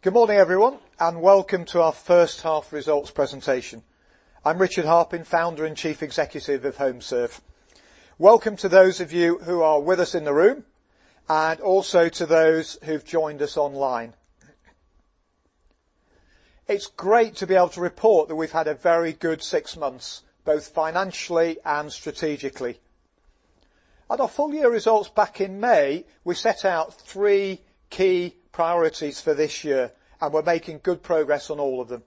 Good morning, everyone, and welcome to our first half results presentation. I'm Richard Harpin, Founder and Chief Executive of HomeServe. Welcome to those of you who are with us in the room, and also to those who've joined us online. It's great to be able to report that we've had a very good six months, both financially and strategically. At our full year results back in May, we set out three key priorities for this year, and we're making good progress on all of them.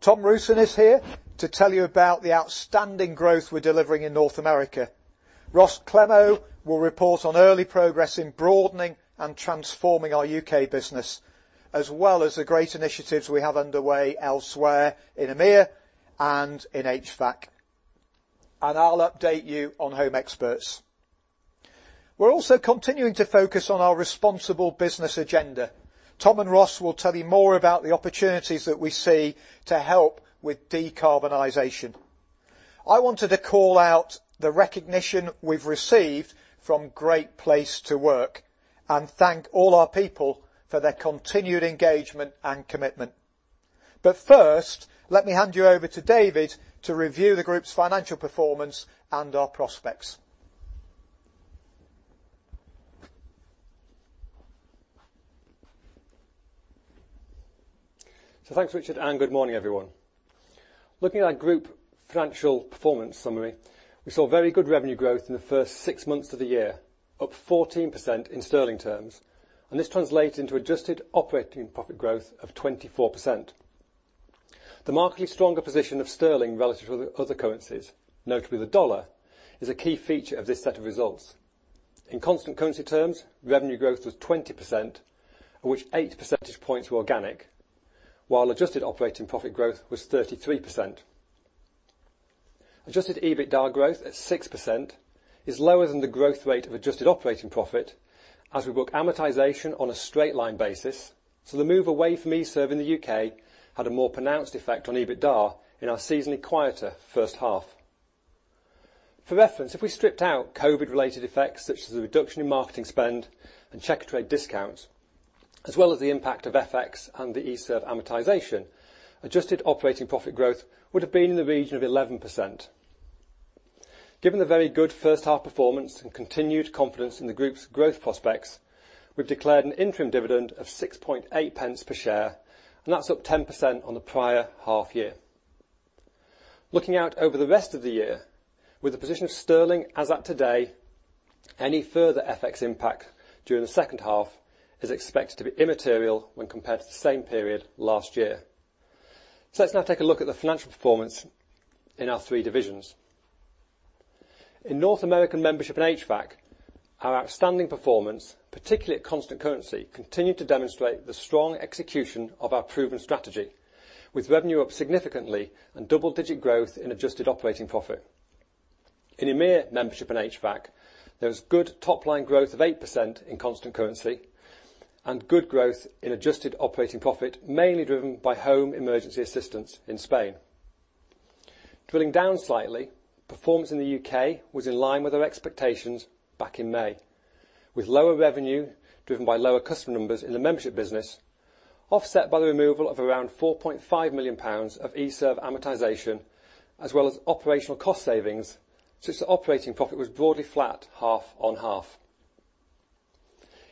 Tom Rusin is here to tell you about the outstanding growth we're delivering in North America. Ross Clemmow will report on early progress in broadening and transforming our U.K. business, as well as the great initiatives we have underway elsewhere in EMEA and in HVAC. I'll update you on Home Experts. We're also continuing to focus on our responsible business agenda. Tom and Ross will tell you more about the opportunities that we see to help with decarbonization. I wanted to call out the recognition we've received from Great Place to Work and thank all our people for their continued engagement and commitment. First, let me hand you over to David to review the group's financial performance and our prospects. Thanks, Richard, and good morning, everyone. Looking at our group financial performance summary, we saw very good revenue growth in the first six months of the year, up 14% in sterling terms, and this translates into adjusted operating profit growth of 24%. The markedly stronger position of sterling relative to other currencies, notably the dollar, is a key feature of this set of results. In constant currency terms, revenue growth was 20%, of which 8 percentage points were organic, while adjusted operating profit growth was 33%. Adjusted EBITDA growth at 6% is lower than the growth rate of adjusted operating profit as we book amortization on a straight line basis, so the move away from eServe in the U.K. had a more pronounced effect on EBITDA in our seasonally quieter first half. For reference, if we stripped out COVID-related effects such as the reduction in marketing spend and Checkatrade discounts, as well as the impact of FX and the eServe amortization, adjusted operating profit growth would have been in the region of 11%. Given the very good first half performance and continued confidence in the group's growth prospects, we've declared an interim dividend of 0.068 per share, and that's up 10% on the prior half year. Looking out over the rest of the year, with the position of sterling as at today, any further FX impact during the second half is expected to be immaterial when compared to the same period last year. Let's now take a look at the financial performance in our three divisions. In North American membership in HVAC, our outstanding performance, particularly at constant currency, continued to demonstrate the strong execution of our proven strategy with revenue up significantly and double-digit growth in adjusted operating profit. In EMEA membership in HVAC, there was good top-line growth of 8% in constant currency and good growth in adjusted operating profit, mainly driven by home emergency assistance in Spain. Drilling down slightly, performance in the U.K. was in line with our expectations back in May, with lower revenue driven by lower customer numbers in the membership business, offset by the removal of around 4.5 million pounds of eServe amortization, as well as operational cost savings, since the operating profit was broadly flat half on half.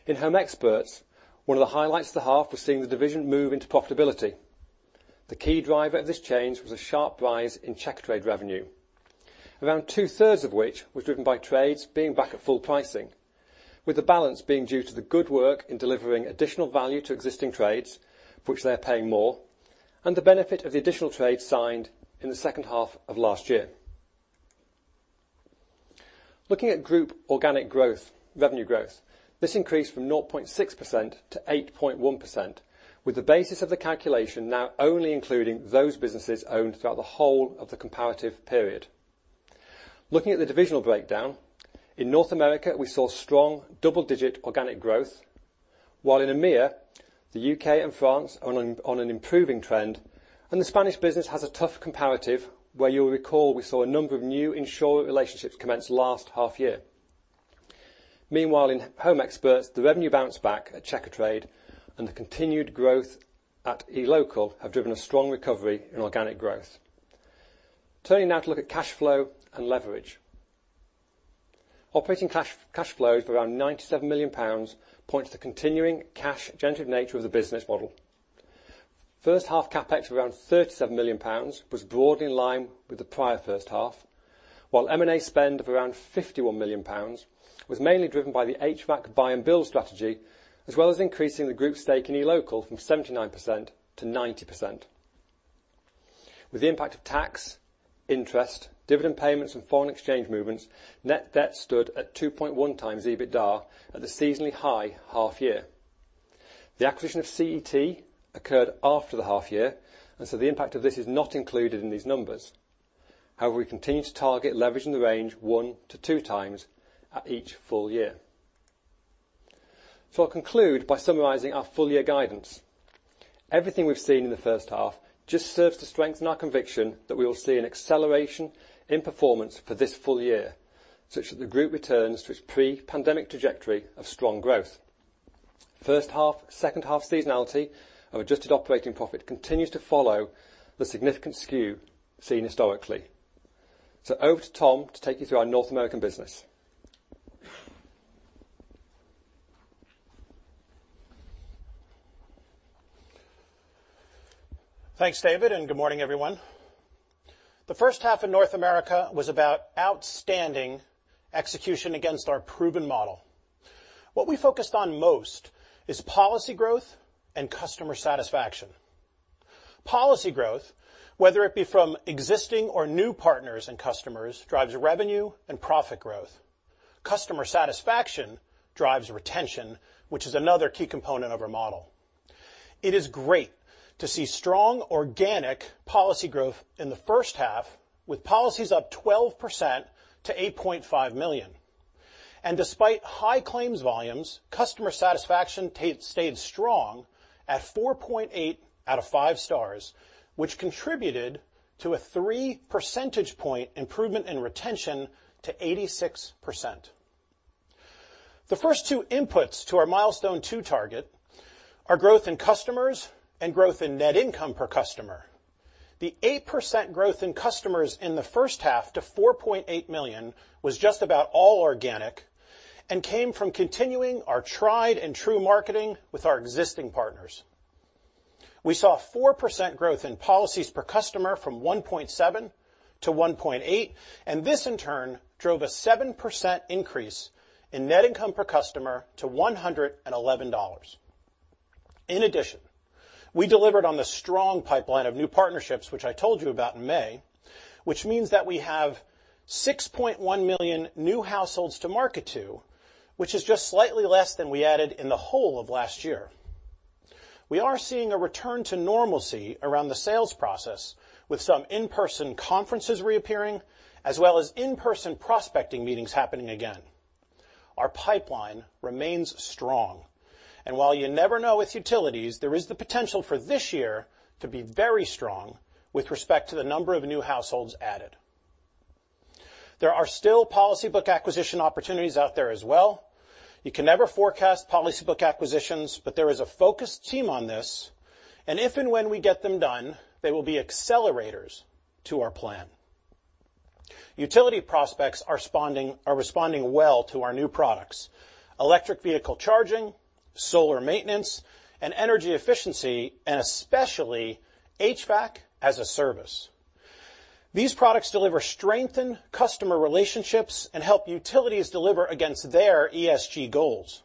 In Home Experts, one of the highlights of the half was seeing the division move into profitability. The key driver of this change was a sharp rise in Checkatrade revenue. Around 2/3 of which was driven by trades being back at full pricing, with the balance being due to the good work in delivering additional value to existing trades for which they are paying more, and the benefit of the additional trades signed in the second half of last year. Looking at group organic growth, revenue growth, this increased from 0.6%-8.1%, with the basis of the calculation now only including those businesses owned throughout the whole of the comparative period. Looking at the divisional breakdown, in North America, we saw strong double-digit organic growth, while in EMEA, the U.K. and France are on an improving trend, and the Spanish business has a tough comparative, where you'll recall we saw a number of new insurer relationships commence last half year. Meanwhile, in Home Experts, the revenue bounce back at Checkatrade and the continued growth at eLocal have driven a strong recovery in organic growth. Turning now to look at cash flow and leverage. Operating cash flows of around 97 million pounds points to continuing cash-generative nature of the business model. First-half CapEx of around 37 million pounds was broadly in line with the prior first-half, while M&A spend of around 51 million pounds was mainly driven by the HVAC buy and build strategy, as well as increasing the group stake in eLocal from 79%-90%. With the impact of tax, interest, dividend payments and foreign exchange movements, net debt stood at 2.1x EBITDA at the seasonally high half-year. The acquisition of CET occurred after the half-year, and so the impact of this is not included in these numbers. However, we continue to target leverage in the range 1x-2x at each full year. I'll conclude by summarizing our full year guidance. Everything we've seen in the first half just serves to strengthen our conviction that we will see an acceleration in performance for this full year, such that the group returns to its pre-pandemic trajectory of strong growth. First half, second half seasonality of adjusted operating profit continues to follow the significant skew seen historically. Over to Tom to take you through our North American business. Thanks, David, and good morning, everyone. The first half in North America was about outstanding execution against our proven model. What we focused on most is policy growth and customer satisfaction. Policy growth, whether it be from existing or new partners and customers, drives revenue and profit growth. Customer satisfaction drives retention, which is another key component of our model. It is great to see strong organic policy growth in the first half with policies up 12% to 8.5 million. Despite high claims volumes, customer satisfaction stayed strong at 4.8 out of 5 stars, which contributed to a 3 percentage point improvement in retention to 86%. The first two inputs to our Milestone 2 target are growth in customers and growth in net income per customer. The 8% growth in customers in the first half to 4.8 million was just about all organic and came from continuing our tried and true marketing with our existing partners. We saw 4% growth in policies per customer from 1.7-1.8, and this in turn drove a 7% increase in net income per customer to $111. In addition, we delivered on the strong pipeline of new partnerships, which I told you about in May, which means that we have 6.1 million new households to market to, which is just slightly less than we added in the whole of last year. We are seeing a return to normalcy around the sales process with some in-person conferences reappearing as well as in-person prospecting meetings happening again. Our pipeline remains strong, and while you never know with utilities, there is the potential for this year to be very strong with respect to the number of new households added. There are still policy book acquisition opportunities out there as well. You can never forecast policy book acquisitions, but there is a focused team on this. If and when we get them done, they will be accelerators to our plan. Utility prospects are responding well to our new products, electric vehicle charging, solar maintenance, and energy efficiency, and especially HVAC as a Service. These products deliver strengthened customer relationships and help utilities deliver against their ESG goals.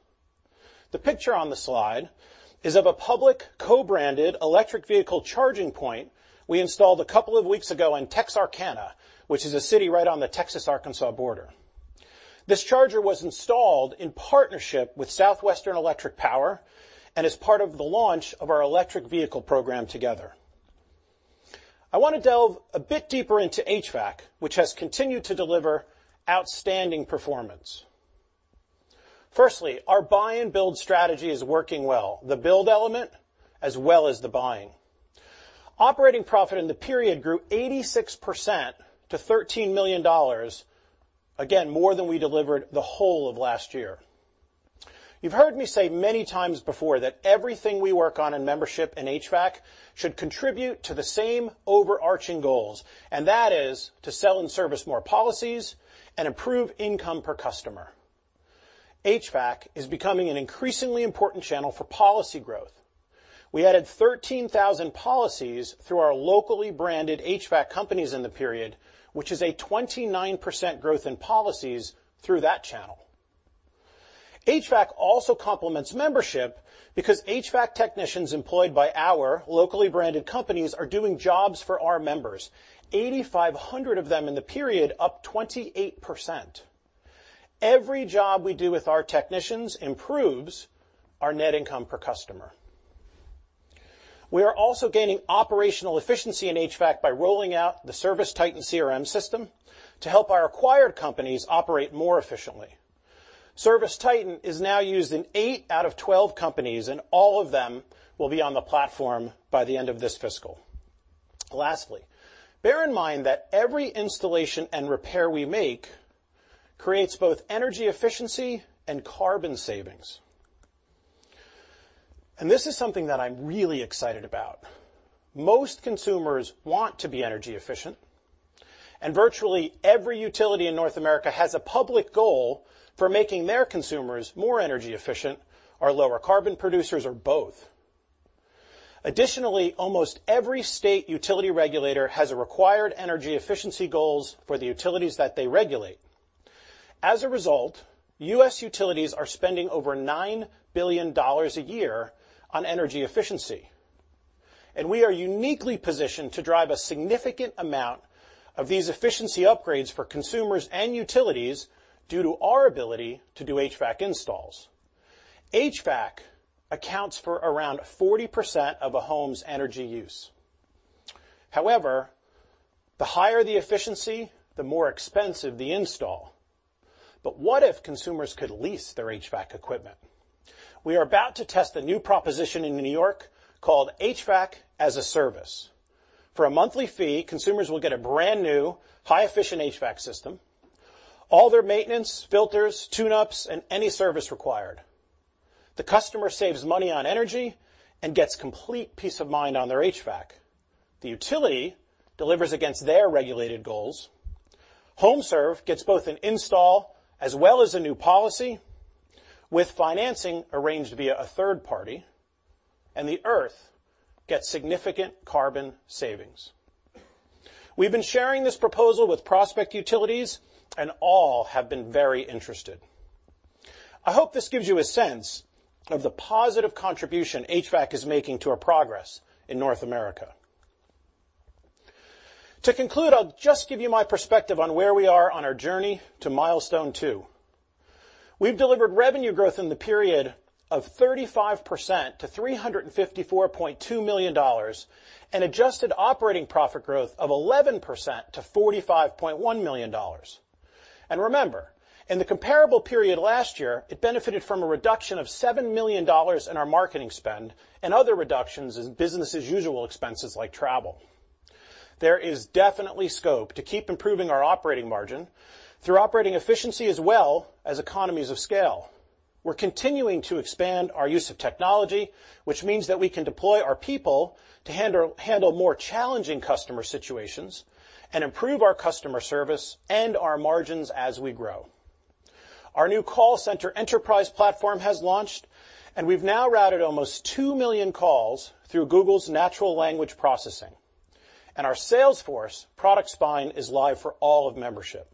The picture on the slide is of a public co-branded electric vehicle charging point we installed a couple of weeks ago in Texarkana, which is a city right on the Texas-Arkansas border. This charger was installed in partnership with Southwestern Electric Power and is part of the launch of our electric vehicle program together. I want to delve a bit deeper into HVAC, which has continued to deliver outstanding performance. Firstly, our buy and build strategy is working well, the build element as well as the buying. Operating profit in the period grew 86% to $13 million, again, more than we delivered the whole of last year. You've heard me say many times before that everything we work on in membership in HVAC should contribute to the same overarching goals, and that is to sell and service more policies and improve income per customer. HVAC is becoming an increasingly important channel for policy growth. We added 13,000 policies through our locally branded HVAC companies in the period, which is a 29% growth in policies through that channel. HVAC also complements membership because HVAC technicians employed by our locally branded companies are doing jobs for our members. 8,500 of them in the period, up 28%. Every job we do with our technicians improves our net income per customer. We are also gaining operational efficiency in HVAC by rolling out the ServiceTitan CRM system to help our acquired companies operate more efficiently. ServiceTitan is now used in eight out of 12 companies, and all of them will be on the platform by the end of this fiscal. Lastly, bear in mind that every installation and repair we make creates both energy efficiency and carbon savings. This is something that I'm really excited about. Most consumers want to be energy efficient, and virtually every utility in North America has a public goal for making their consumers more energy efficient or lower carbon producers or both. Additionally, almost every state utility regulator has required energy efficiency goals for the utilities that they regulate. As a result, U.S. utilities are spending over $9 billion a year on energy efficiency, and we are uniquely positioned to drive a significant amount of these efficiency upgrades for consumers and utilities due to our ability to do HVAC installs. HVAC accounts for around 40% of a home's energy use. However, the higher the efficiency, the more expensive the install. What if consumers could lease their HVAC equipment? We are about to test a new proposition in New York called HVAC as a Service. For a monthly fee, consumers will get a brand new high efficient HVAC system, all their maintenance, filters, tune-ups, and any service required. The customer saves money on energy and gets complete peace of mind on their HVAC. The utility delivers against their regulated goals. HomeServe gets both an install as well as a new policy with financing arranged via a third party, and the earth gets significant carbon savings. We've been sharing this proposal with prospective utilities, and all have been very interested. I hope this gives you a sense of the positive contribution HVAC is making to our progress in North America. To conclude, I'll just give you my perspective on where we are on our journey to Milestone 2. We've delivered revenue growth in the period of 35% to $354.2 million, an adjusted operating profit growth of 11% to $45.1 million. Remember, in the comparable period last year, it benefited from a reduction of $7 million in our marketing spend and other reductions in business as usual expenses like travel. There is definitely scope to keep improving our operating margin through operating efficiency as well as economies of scale. We're continuing to expand our use of technology, which means that we can deploy our people to handle more challenging customer situations and improve our customer service and our margins as we grow. Our new call center enterprise platform has launched, and we've now routed almost 2 million calls through Google's natural language processing, and our Salesforce product spine is live for all of membership.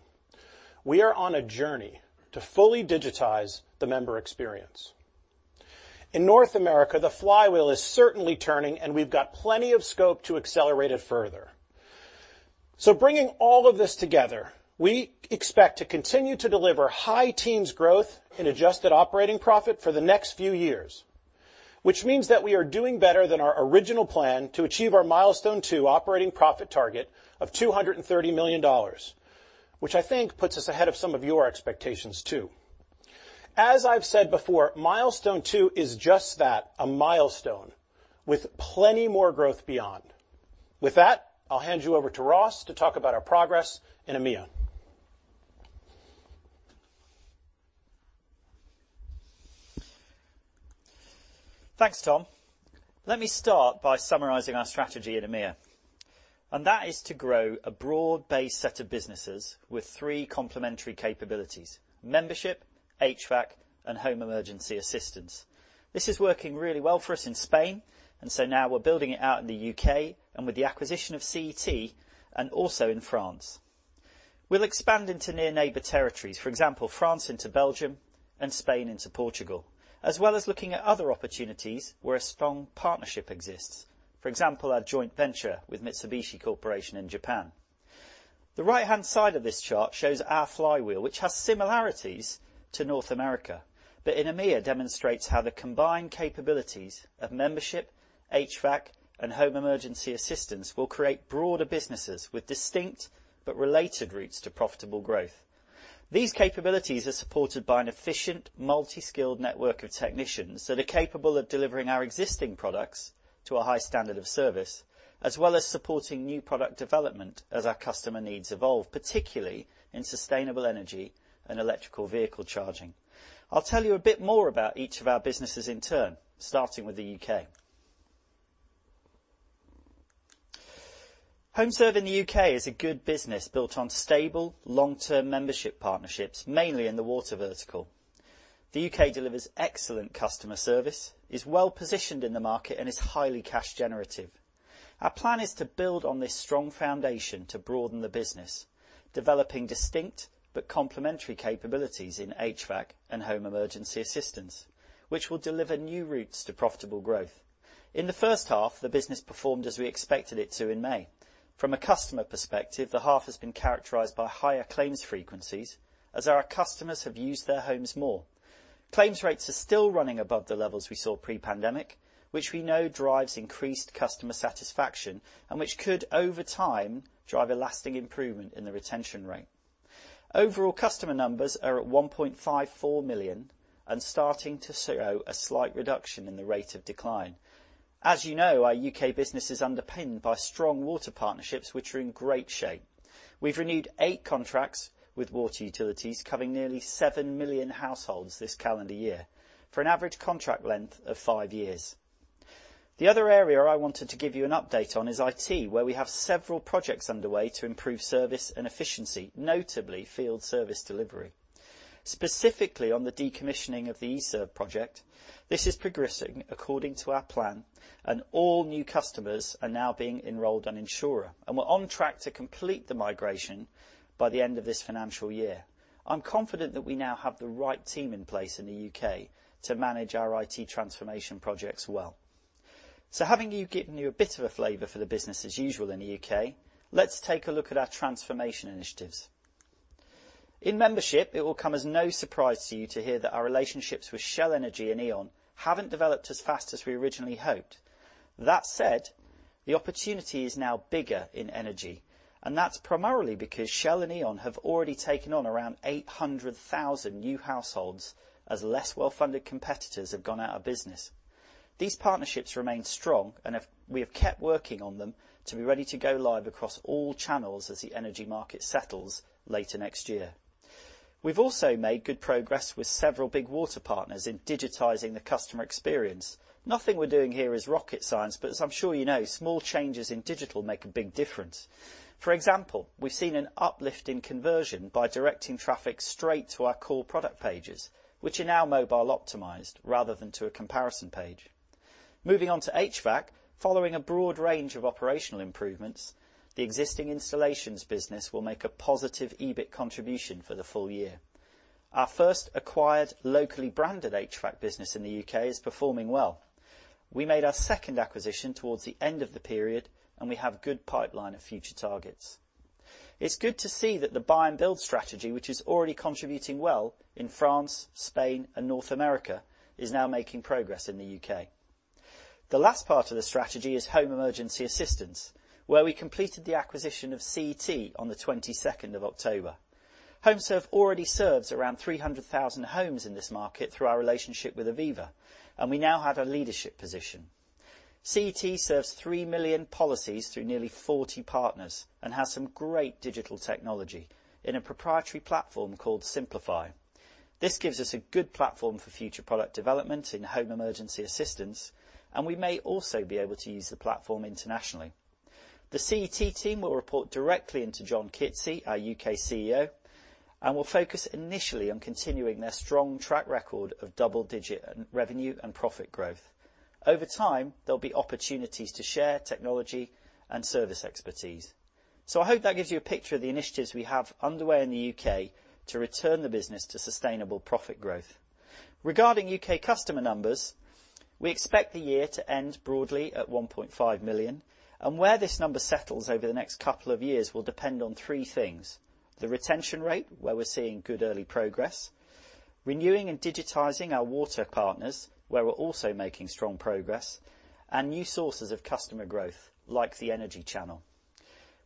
We are on a journey to fully digitize the member experience. In North America, the flywheel is certainly turning, and we've got plenty of scope to accelerate it further. Bringing all of this together, we expect to continue to deliver high teens growth in adjusted operating profit for the next few years, which means that we are doing better than our original plan to achieve our Milestone 2 operating profit target of $230 million, which I think puts us ahead of some of your expectations too. As I've said before, Milestone 2 is just that, a milestone with plenty more growth beyond. With that, I'll hand you over to Ross to talk about our progress in EMEA. Thanks, Tom. Let me start by summarizing our strategy at EMEA, and that is to grow a broad-based set of businesses with three complementary capabilities, membership, HVAC, and home emergency assistance. This is working really well for us in Spain, and so now we're building it out in the U.K. and with the acquisition of CET and also in France. We'll expand into near neighbor territories, for example, France into Belgium and Spain into Portugal, as well as looking at other opportunities where a strong partnership exists. For example, our joint venture with Mitsubishi Corporation in Japan. The right-hand side of this chart shows our flywheel, which has similarities to North America, but in EMEA demonstrates how the combined capabilities of membership, HVAC, and home emergency assistance will create broader businesses with distinct but related routes to profitable growth. These capabilities are supported by an efficient multi-skilled network of technicians that are capable of delivering our existing products to a high standard of service, as well as supporting new product development as our customer needs evolve, particularly in sustainable energy and electric vehicle charging. I'll tell you a bit more about each of our businesses in turn, starting with the U.K. HomeServe in the U.K. is a good business built on stable, long-term membership partnerships, mainly in the water vertical. The U.K. delivers excellent customer service, is well-positioned in the market, and is highly cash generative. Our plan is to build on this strong foundation to broaden the business, developing distinct but complementary capabilities in HVAC and home emergency assistance, which will deliver new routes to profitable growth. In the first half, the business performed as we expected it to in May. From a customer perspective, the half has been characterized by higher claims frequencies as our customers have used their homes more. Claims rates are still running above the levels we saw pre-pandemic, which we know drives increased customer satisfaction and which could, over time, drive a lasting improvement in the retention rate. Overall customer numbers are at 1.54 million and starting to show a slight reduction in the rate of decline. As you know, our U.K. business is underpinned by strong water partnerships which are in great shape. We've renewed eight contracts with water utilities covering nearly 7 million households this calendar year for an average contract length of five years. The other area I wanted to give you an update on is IT, where we have several projects underway to improve service and efficiency, notably field service delivery. Specifically on the decommissioning of the eServe project, this is progressing according to our plan, and all new customers are now being enrolled on Ensure, and we're on track to complete the migration by the end of this financial year. I'm confident that we now have the right team in place in the U.K. to manage our IT transformation projects well. Given you a bit of a flavor for the business as usual in the U.K., let's take a look at our transformation initiatives. In membership, it will come as no surprise to you to hear that our relationships with Shell Energy and E.ON haven't developed as fast as we originally hoped. That said, the opportunity is now bigger in energy, and that's primarily because Shell and E.ON have already taken on around 800,000 new households as less well-funded competitors have gone out of business. These partnerships remain strong. We have kept working on them to be ready to go live across all channels as the energy market settles later next year. We've also made good progress with several big water partners in digitizing the customer experience. Nothing we're doing here is rocket science, but as I'm sure you know, small changes in digital make a big difference. For example, we've seen an uplift in conversion by directing traffic straight to our core product pages, which are now mobile-optimized rather than to a comparison page. Moving on to HVAC, following a broad range of operational improvements, the existing installations business will make a positive EBIT contribution for the full year. Our first acquired locally branded HVAC business in the U.K. is performing well. We made our second acquisition towards the end of the period, and we have good pipeline of future targets. It's good to see that the buy and build strategy, which is already contributing well in France, Spain, and North America, is now making progress in the U.K. The last part of the strategy is home emergency assistance, where we completed the acquisition of CET on the 22nd of October. HomeServe already serves around 300,000 homes in this market through our relationship with Aviva, and we now have a leadership position. CET serves 3 million policies through nearly 40 partners and has some great digital technology in a proprietary platform called Simplify. This gives us a good platform for future product development in home emergency assistance, and we may also be able to use the platform internationally. The CET team will report directly into John Kitzie, our U.K. CEO, and will focus initially on continuing their strong track record of double-digit revenue and profit growth. Over time, there'll be opportunities to share technology and service expertise. I hope that gives you a picture of the initiatives we have underway in the U.K. to return the business to sustainable profit growth. Regarding U.K. customer numbers, we expect the year to end broadly at 1.5 million, and where this number settles over the next couple of years will depend on three things, the retention rate, where we're seeing good early progress, renewing and digitizing our water partners, where we're also making strong progress, and new sources of customer growth, like the energy channel.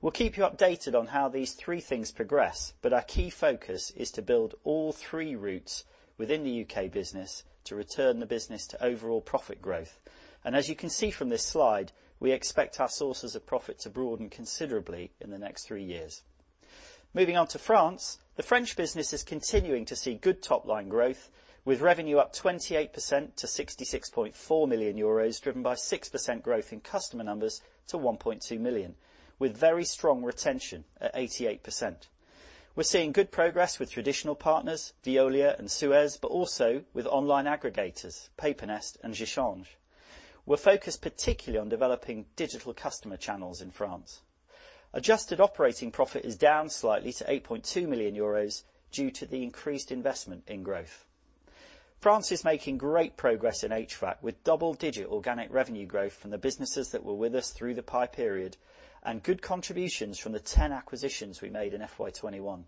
We'll keep you updated on how these three things progress, but our key focus is to build all three routes within the U.K. business to return the business to overall profit growth. As you can see from this slide, we expect our sources of profit to broaden considerably in the next three years. Moving on to France, the French business is continuing to see good top-line growth, with revenue up 28% to 66.4 million euros, driven by 6% growth in customer numbers to 1.2 million, with very strong retention at 88%. We're seeing good progress with traditional partners, VEOLIA and SUEZ, but also with online aggregators, Papernest and JeChange. We're focused particularly on developing digital customer channels in France. Adjusted operating profit is down slightly to 8.2 million euros due to the increased investment in growth. France is making great progress in HVAC, with double-digit organic revenue growth from the businesses that were with us through the PI period and good contributions from the 10 acquisitions we made in FY 2021.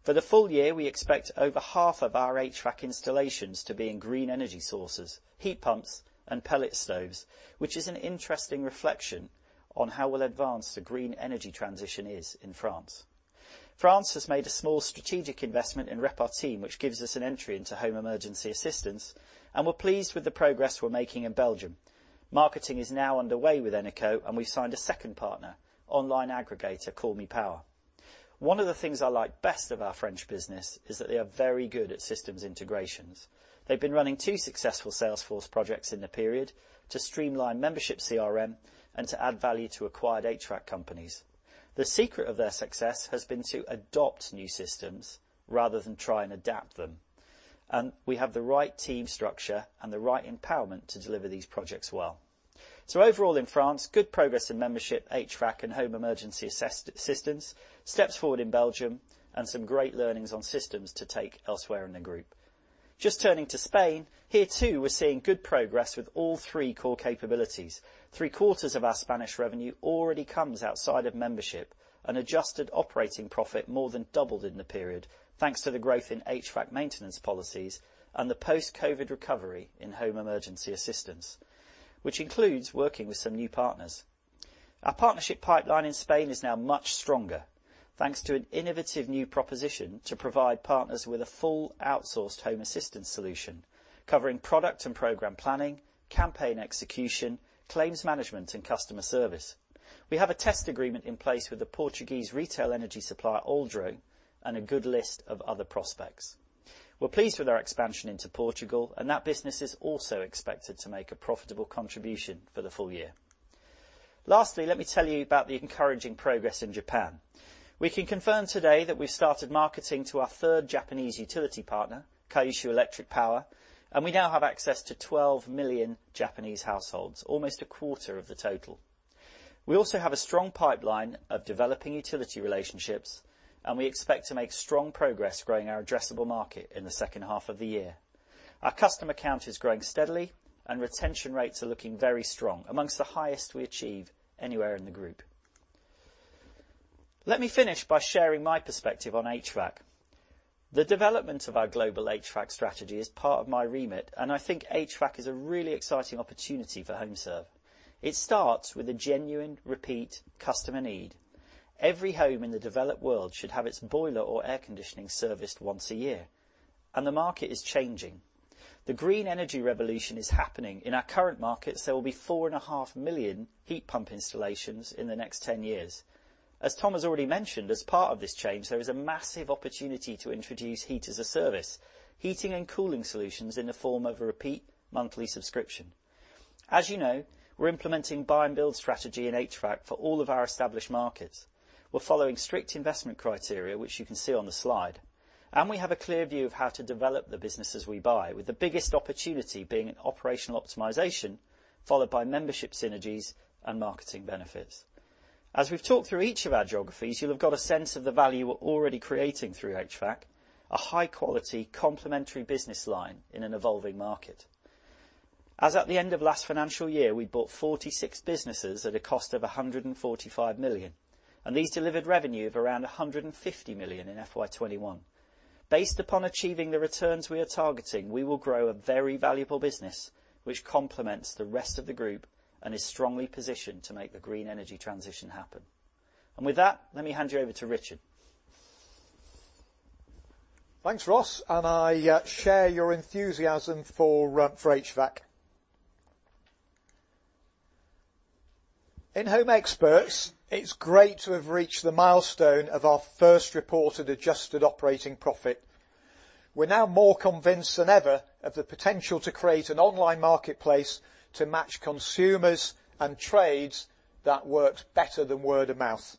For the full year, we expect over half of our HVAC installations to be in green energy sources, heat pumps and pellet stoves, which is an interesting reflection on how well advanced the green energy transition is in France. We have made a small strategic investment in Repartim, which gives us an entry into home emergency assistance, and we're pleased with the progress we're making in Belgium. Marketing is now underway with Eneco and we signed a second partner, online aggregator CallMePower. One of the things I like best of our French business is that they are very good at systems integrations. They've been running two successful Salesforce projects in the period to streamline membership CRM and to add value to acquired HVAC companies. The secret of their success has been to adopt new systems rather than try and adapt them, and we have the right team structure and the right empowerment to deliver these projects well. Overall in France, good progress in membership, HVAC and home emergency assistance, steps forward in Belgium, and some great learnings on systems to take elsewhere in the group. Just turning to Spain, here too we're seeing good progress with all three core capabilities. Three-quarters of our Spanish revenue already comes outside of membership, and adjusted operating profit more than doubled in the period thanks to the growth in HVAC maintenance policies and the post-COVID recovery in home emergency assistance, which includes working with some new partners. Our partnership pipeline in Spain is now much stronger thanks to an innovative new proposition to provide partners with a full outsourced home assistance solution, covering product and program planning, campaign execution, claims management and customer service. We have a test agreement in place with the Portuguese retail energy supplier Aldro and a good list of other prospects. We're pleased with our expansion into Portugal, and that business is also expected to make a profitable contribution for the full year. Lastly, let me tell you about the encouraging progress in Japan. We can confirm today that we've started marketing to our third Japanese utility partner, Kyushu Electric Power, and we now have access to 12 million Japanese households, almost a quarter of the total. We also have a strong pipeline of developing utility relationships, and we expect to make strong progress growing our addressable market in the second half of the year. Our customer count is growing steadily and retention rates are looking very strong, among the highest we achieve anywhere in the group. Let me finish by sharing my perspective on HVAC. The development of our global HVAC strategy is part of my remit, and I think HVAC is a really exciting opportunity for HomeServe. It starts with a genuine repeat customer need. Every home in the developed world should have its boiler or air conditioning serviced once a year, and the market is changing. The green energy revolution is happening. In our current markets, there will be 4.5 million heat pump installations in the next 10 years. As Tom has already mentioned, as part of this change, there is a massive opportunity to introduce Heat as a Service, heating and cooling solutions in the form of a repeat monthly subscription. As you know, we're implementing buy and build strategy in HVAC for all of our established markets. We're following strict investment criteria, which you can see on the slide. We have a clear view of how to develop the businesses we buy, with the biggest opportunity being in operational optimization, followed by membership synergies and marketing benefits. As we've talked through each of our geographies, you'll have got a sense of the value we're already creating through HVAC, a high-quality complementary business line in an evolving market. As at the end of last financial year, we bought 46 businesses at a cost of 145 million, and these delivered revenue of around 150 million in FY 2021. Based upon achieving the returns we are targeting, we will grow a very valuable business which complements the rest of the group and is strongly positioned to make the green energy transition happen. With that, let me hand you over to Richard. Thanks, Ross. I share your enthusiasm for HVAC. In Home Experts, it's great to have reached the milestone of our first reported adjusted operating profit. We're now more convinced than ever of the potential to create an online marketplace to match consumers and trades that works better than word of mouth.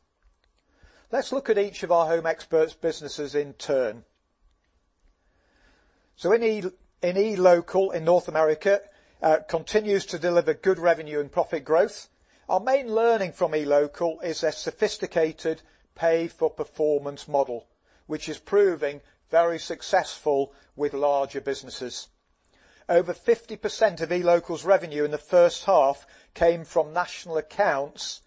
Let's look at each of our Home Experts businesses in turn. In eLocal in North America, continues to deliver good revenue and profit growth. Our main learning from eLocal is a sophisticated pay-for-performance model, which is proving very successful with larger businesses. Over 50% of eLocal's revenue in the first half came from national accounts,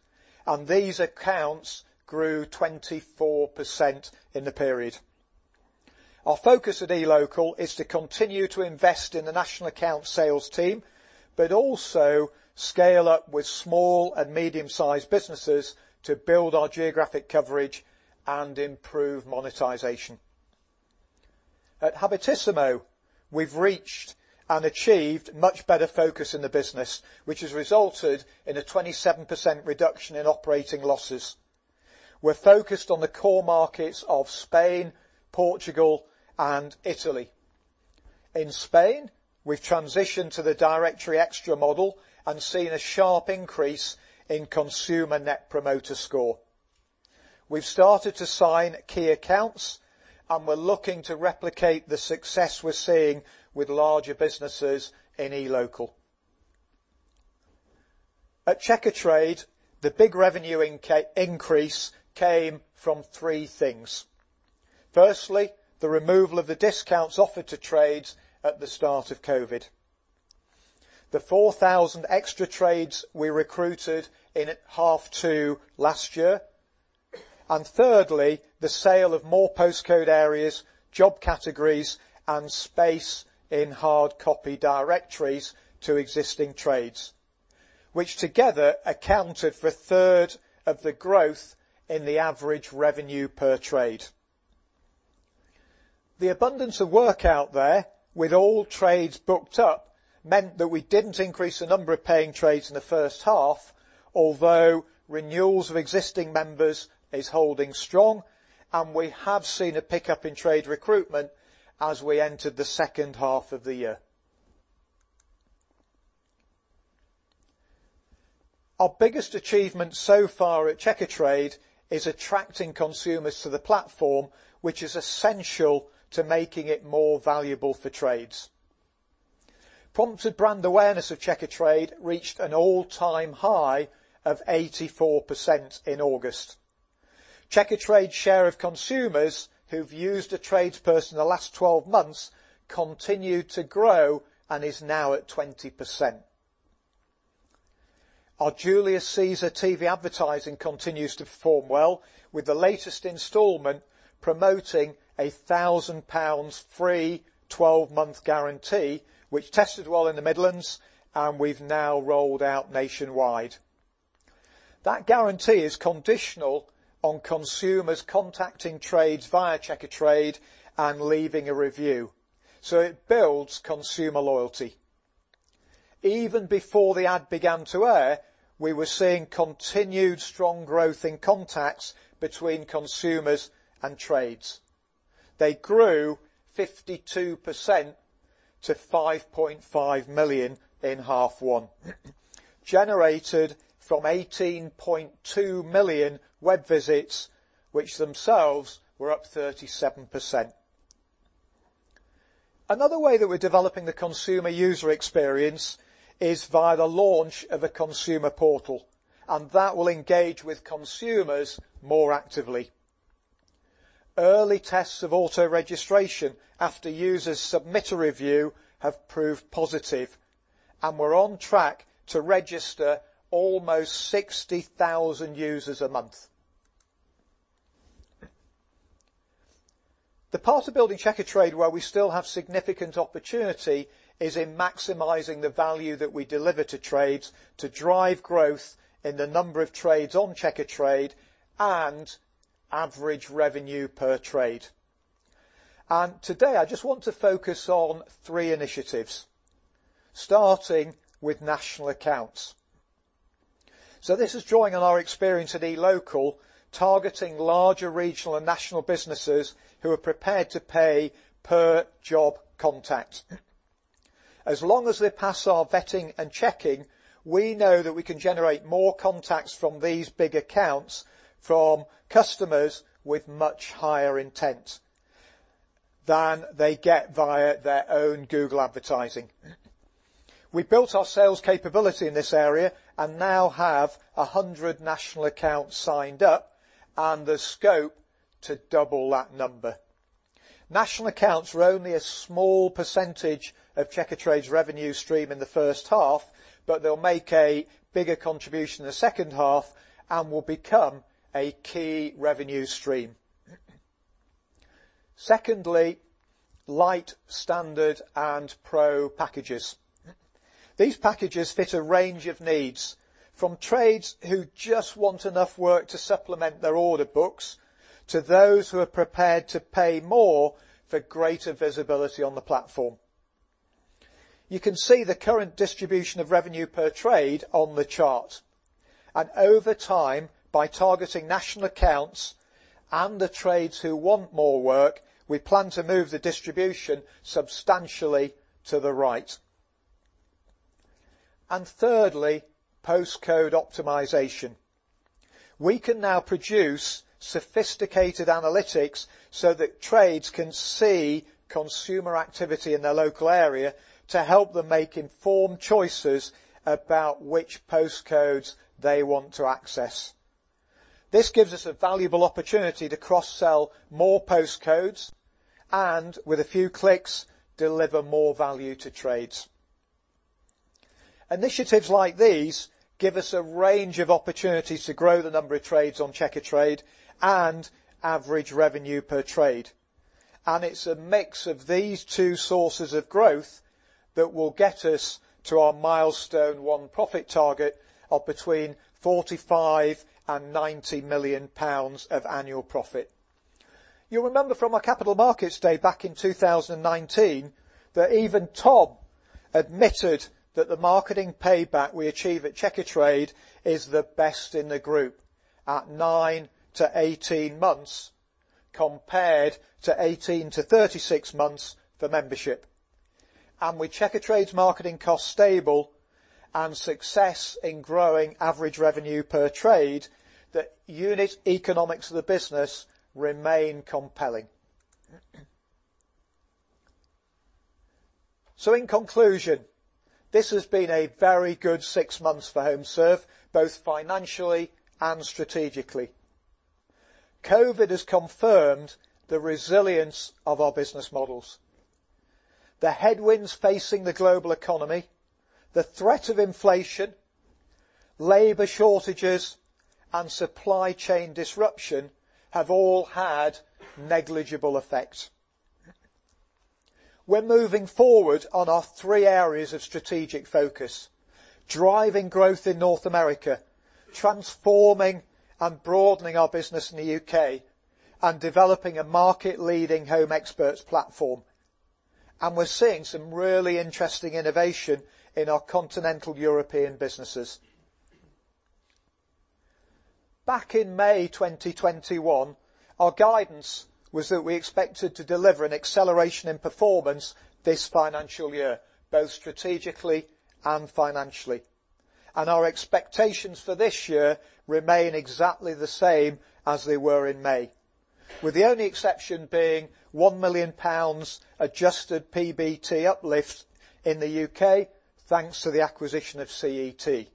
and these accounts grew 24% in the period. Our focus at eLocal is to continue to invest in the national account sales team, but also scale up with small and medium-sized businesses to build our geographic coverage and improve monetization. At Habitissimo, we've reached and achieved much better focus in the business, which has resulted in a 27% reduction in operating losses. We're focused on the core markets of Spain, Portugal, and Italy. In Spain, we've transitioned to the Directory Extra model and seen a sharp increase in consumer Net Promoter Score. We've started to sign key accounts, and we're looking to replicate the success we're seeing with larger businesses in eLocal. At Checkatrade, the big revenue increase came from three things. Firstly, the removal of the discounts offered to trades at the start of COVID. The 4,000 extra trades we recruited in half two last year. Thirdly, the sale of more postcode areas, job categories, and space in hard copy directories to existing trades, which together accounted for a 1/3 of the growth in the average revenue per trade. The abundance of work out there with all trades booked up meant that we didn't increase the number of paying trades in the first half, although renewals of existing members is holding strong, and we have seen a pickup in trade recruitment as we entered the second half of the year. Our biggest achievement so far at Checkatrade is attracting consumers to the platform, which is essential to making it more valuable for trades. Prompted brand awareness of Checkatrade reached an all-time high of 84% in August. Checkatrade's share of consumers who've used a tradesperson in the last 12 months continued to grow and is now at 20%. Our Julius Caesar TV advertising continues to perform well with the latest installment promoting 1,000 pounds free 12-month guarantee, which tested well in the Midlands, and we've now rolled out nationwide. That guarantee is conditional on consumers contacting trades via Checkatrade and leaving a review, so it builds consumer loyalty. Even before the ad began to air, we were seeing continued strong growth in contacts between consumers and trades. They grew 52% to 5.5 million in half one, generated from 18.2 million web visits, which themselves were up 37%. Another way that we're developing the consumer user experience is via the launch of a consumer portal, and that will engage with consumers more actively. Early tests of auto registration after users submit a review have proved positive, and we're on track to register almost 60,000 users a month. The part of building Checkatrade where we still have significant opportunity is in maximizing the value that we deliver to trades to drive growth in the number of trades on Checkatrade and average revenue per trade. Today, I just want to focus on three initiatives, starting with national accounts. This is drawing on our experience at eLocal, targeting larger regional and national businesses who are prepared to pay per job contact. As long as they pass our vetting and checking, we know that we can generate more contacts from these big accounts from customers with much higher intent than they get via their own Google advertising. We built our sales capability in this area and now have 100 national accounts signed up, and the scope to double that number. National accounts were only a small percentage of Checkatrade's revenue stream in the first half, but they'll make a bigger contribution in the second half and will become a key revenue stream. Secondly, Lite, Standard, and Pro packages. These packages fit a range of needs, from trades who just want enough work to supplement their order books, to those who are prepared to pay more for greater visibility on the platform. You can see the current distribution of revenue per trade on the chart. Over time, by targeting national accounts and the trades who want more work, we plan to move the distribution substantially to the right. Thirdly, postcode optimization. We can now produce sophisticated analytics so that trades can see consumer activity in their local area to help them make informed choices about which postcodes they want to access. This gives us a valuable opportunity to cross-sell more postcodes and, with a few clicks, deliver more value to trades. Initiatives like these give us a range of opportunities to grow the number of trades on Checkatrade and average revenue per trade. It's a mix of these two sources of growth that will get us to our Milestone 1 profit target of between 45 million and 90 million pounds of annual profit. You'll remember from our Capital Markets Day back in 2019 that even Tom admitted that the marketing payback we achieve at Checkatrade is the best in the group at 9-18 months, compared to 18-36 months for membership. With Checkatrade's marketing costs stable and success in growing average revenue per trade, the unit economics of the business remain compelling. In conclusion, this has been a very good six months for HomeServe, both financially and strategically. COVID has confirmed the resilience of our business models. The headwinds facing the global economy, the threat of inflation, labor shortages, and supply chain disruption have all had negligible effect. We're moving forward on our three areas of strategic focus, driving growth in North America, transforming and broadening our business in the U.K., and developing a market-leading Home Experts platform. We're seeing some really interesting innovation in our continental European businesses. Back in May 2021, our guidance was that we expected to deliver an acceleration in performance this financial year, both strategically and financially. Our expectations for this year remain exactly the same as they were in May, with the only exception being 1 million pounds adjusted PBT uplift in the U.K., thanks to the acquisition of CET.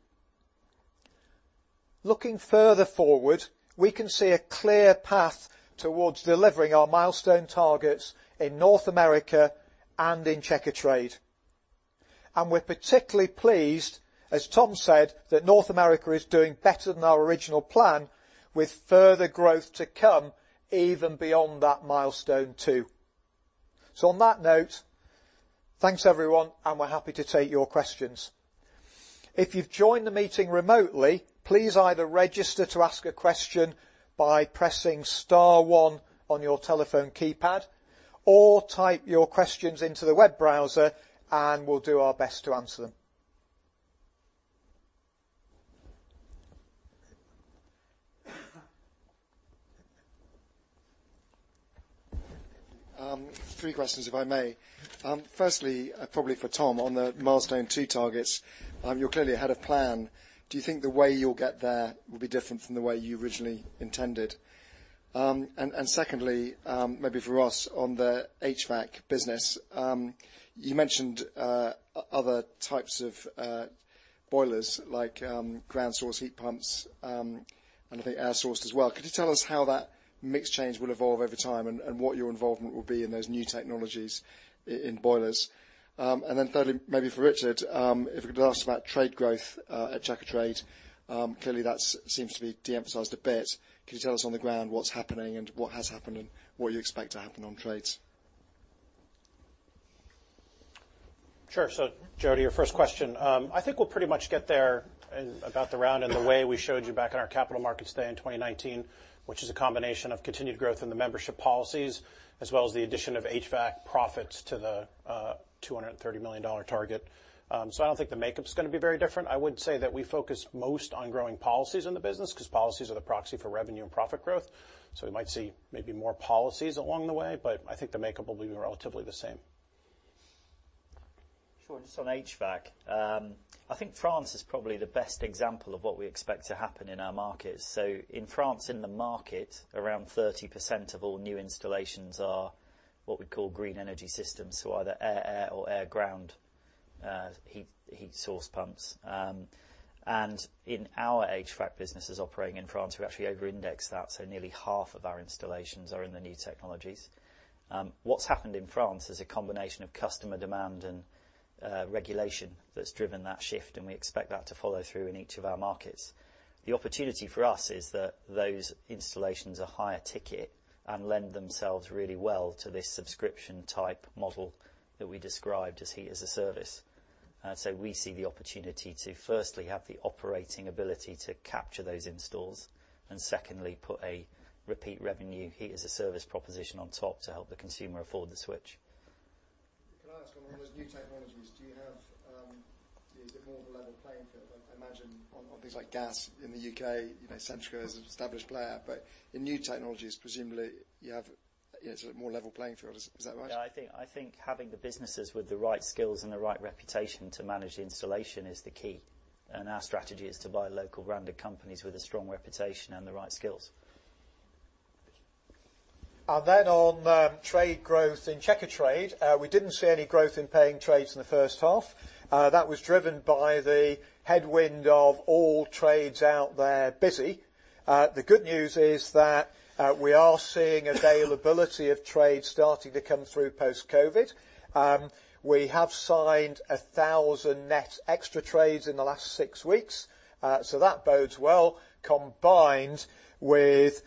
Looking further forward, we can see a clear path towards delivering our milestone targets in North America and in Checkatrade. We're particularly pleased, as Tom said, that North America is doing better than our original plan with further growth to come even beyond that Milestone 2. On that note, thanks, everyone, and we're happy to take your questions. If you've joined the meeting remotely, please either register to ask a question by pressing star one on your telephone keypad, or type your questions into the web browser and we'll do our best to answer them. Three questions, if I may. First, probably for Tom on the Milestone 2 targets. You're clearly ahead of plan. Do you think the way you'll get there will be different from the way you originally intended? Second, maybe for Ross on the HVAC business. You mentioned other types of boilers, like ground source heat pumps, and I think air source as well. Could you tell us how the mix change will evolve over time and what your involvement will be in those new technologies in boilers? Third, maybe for Richard, if we could ask about trade growth at Checkatrade. Clearly that seems to be de-emphasized a bit. Can you tell us on the ground what's happening and what has happened and what you expect to happen on trades? Sure. Joe, to your first question, I think we'll pretty much get there about the round in the way we showed you back in our capital markets day in 2019, which is a combination of continued growth in the membership policies as well as the addition of HVAC profits to the $230 million target. I don't think the makeup's gonna be very different. I would say that we focus most on growing policies in the business 'cause policies are the proxy for revenue and profit growth, so we might see maybe more policies along the way, but I think the makeup will be relatively the same. Sure. Just on HVAC. I think France is probably the best example of what we expect to happen in our markets. In France, in the market, around 30% of all new installations are what we call green energy systems, so either air-air or air ground heat source pumps. In our HVAC businesses operating in France, we actually over-index that, so nearly half of our installations are in the new technologies. What's happened in France is a combination of customer demand and regulation that's driven that shift, and we expect that to follow through in each of our markets. The opportunity for us is that those installations are higher ticket and lend themselves really well to this subscription type model that we described as Heat as a Service. We see the opportunity to firstly have the operating ability to capture those installs and secondly, put a repeat revenue Heat as a Service proposition on top to help the consumer afford the switch. Can I ask on one of those new technologies, do you have, is it more of a level playing field? I imagine on things like gas in the U.K., you know, Centrica is an established player, but in new technologies, presumably you have, you know, sort of more level playing field. Is that right? Yeah, I think having the businesses with the right skills and the right reputation to manage the installation is the key. Our strategy is to buy local rounded companies with a strong reputation and the right skills. On trade growth in Checkatrade, we didn't see any growth in paying trades in the first half. That was driven by the headwind of all trades out there busy. The good news is that we are seeing availability of trade starting to come through post-COVID. We have signed 1,000 net extra trades in the last six weeks, so that bodes well, combined with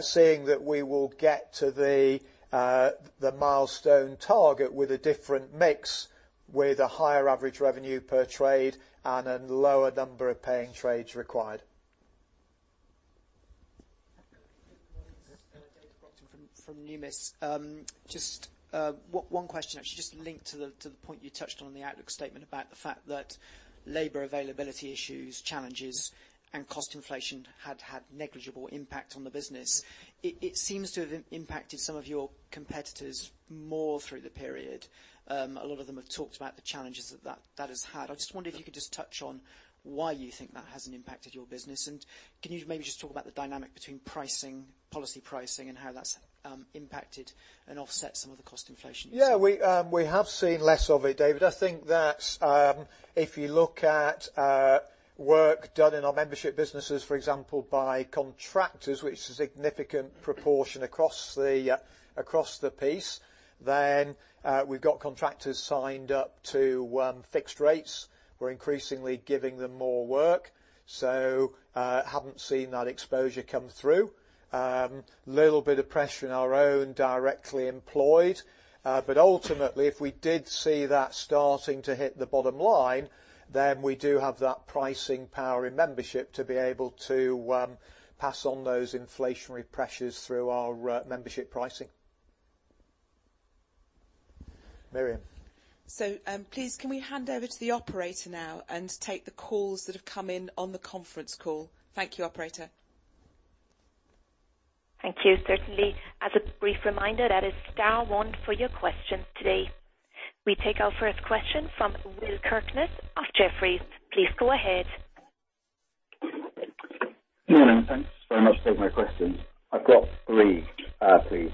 seeing that we will get to the milestone target with a different mix, with a higher average revenue per trade and a lower number of paying trades required. Good morning. This is David Brockton from Numis. Just one question actually just linked to the point you touched on in the outlook statement about the fact that labor availability issues, challenges, and cost inflation had negligible impact on the business. It seems to have impacted some of your competitors more through the period. A lot of them have talked about the challenges that has had. I just wondered if you could just touch on why you think that hasn't impacted your business, and can you maybe just talk about the dynamic between pricing, policy pricing, and how that's impacted and offset some of the cost inflation you've seen? Yeah. We have seen less of it, David. I think that if you look at work done in our membership businesses, for example, by contractors, which is a significant proportion across the piece, then we've got contractors signed up to fixed rates. We're increasingly giving them more work, so haven't seen that exposure come through. Little bit of pressure in our own directly employed, but ultimately, if we did see that starting to hit the bottom line, then we do have that pricing power in membership to be able to pass on those inflationary pressures through our membership pricing. Miriam. Please can we hand over to the operator now and take the calls that have come in on the conference call? Thank you, operator. Thank you. Certainly. As a brief reminder, that is star one for your questions today. We take our first question from Will Kirkness of Jefferies. Please go ahead. Morning. Thanks very much for taking my questions. I've got three, please.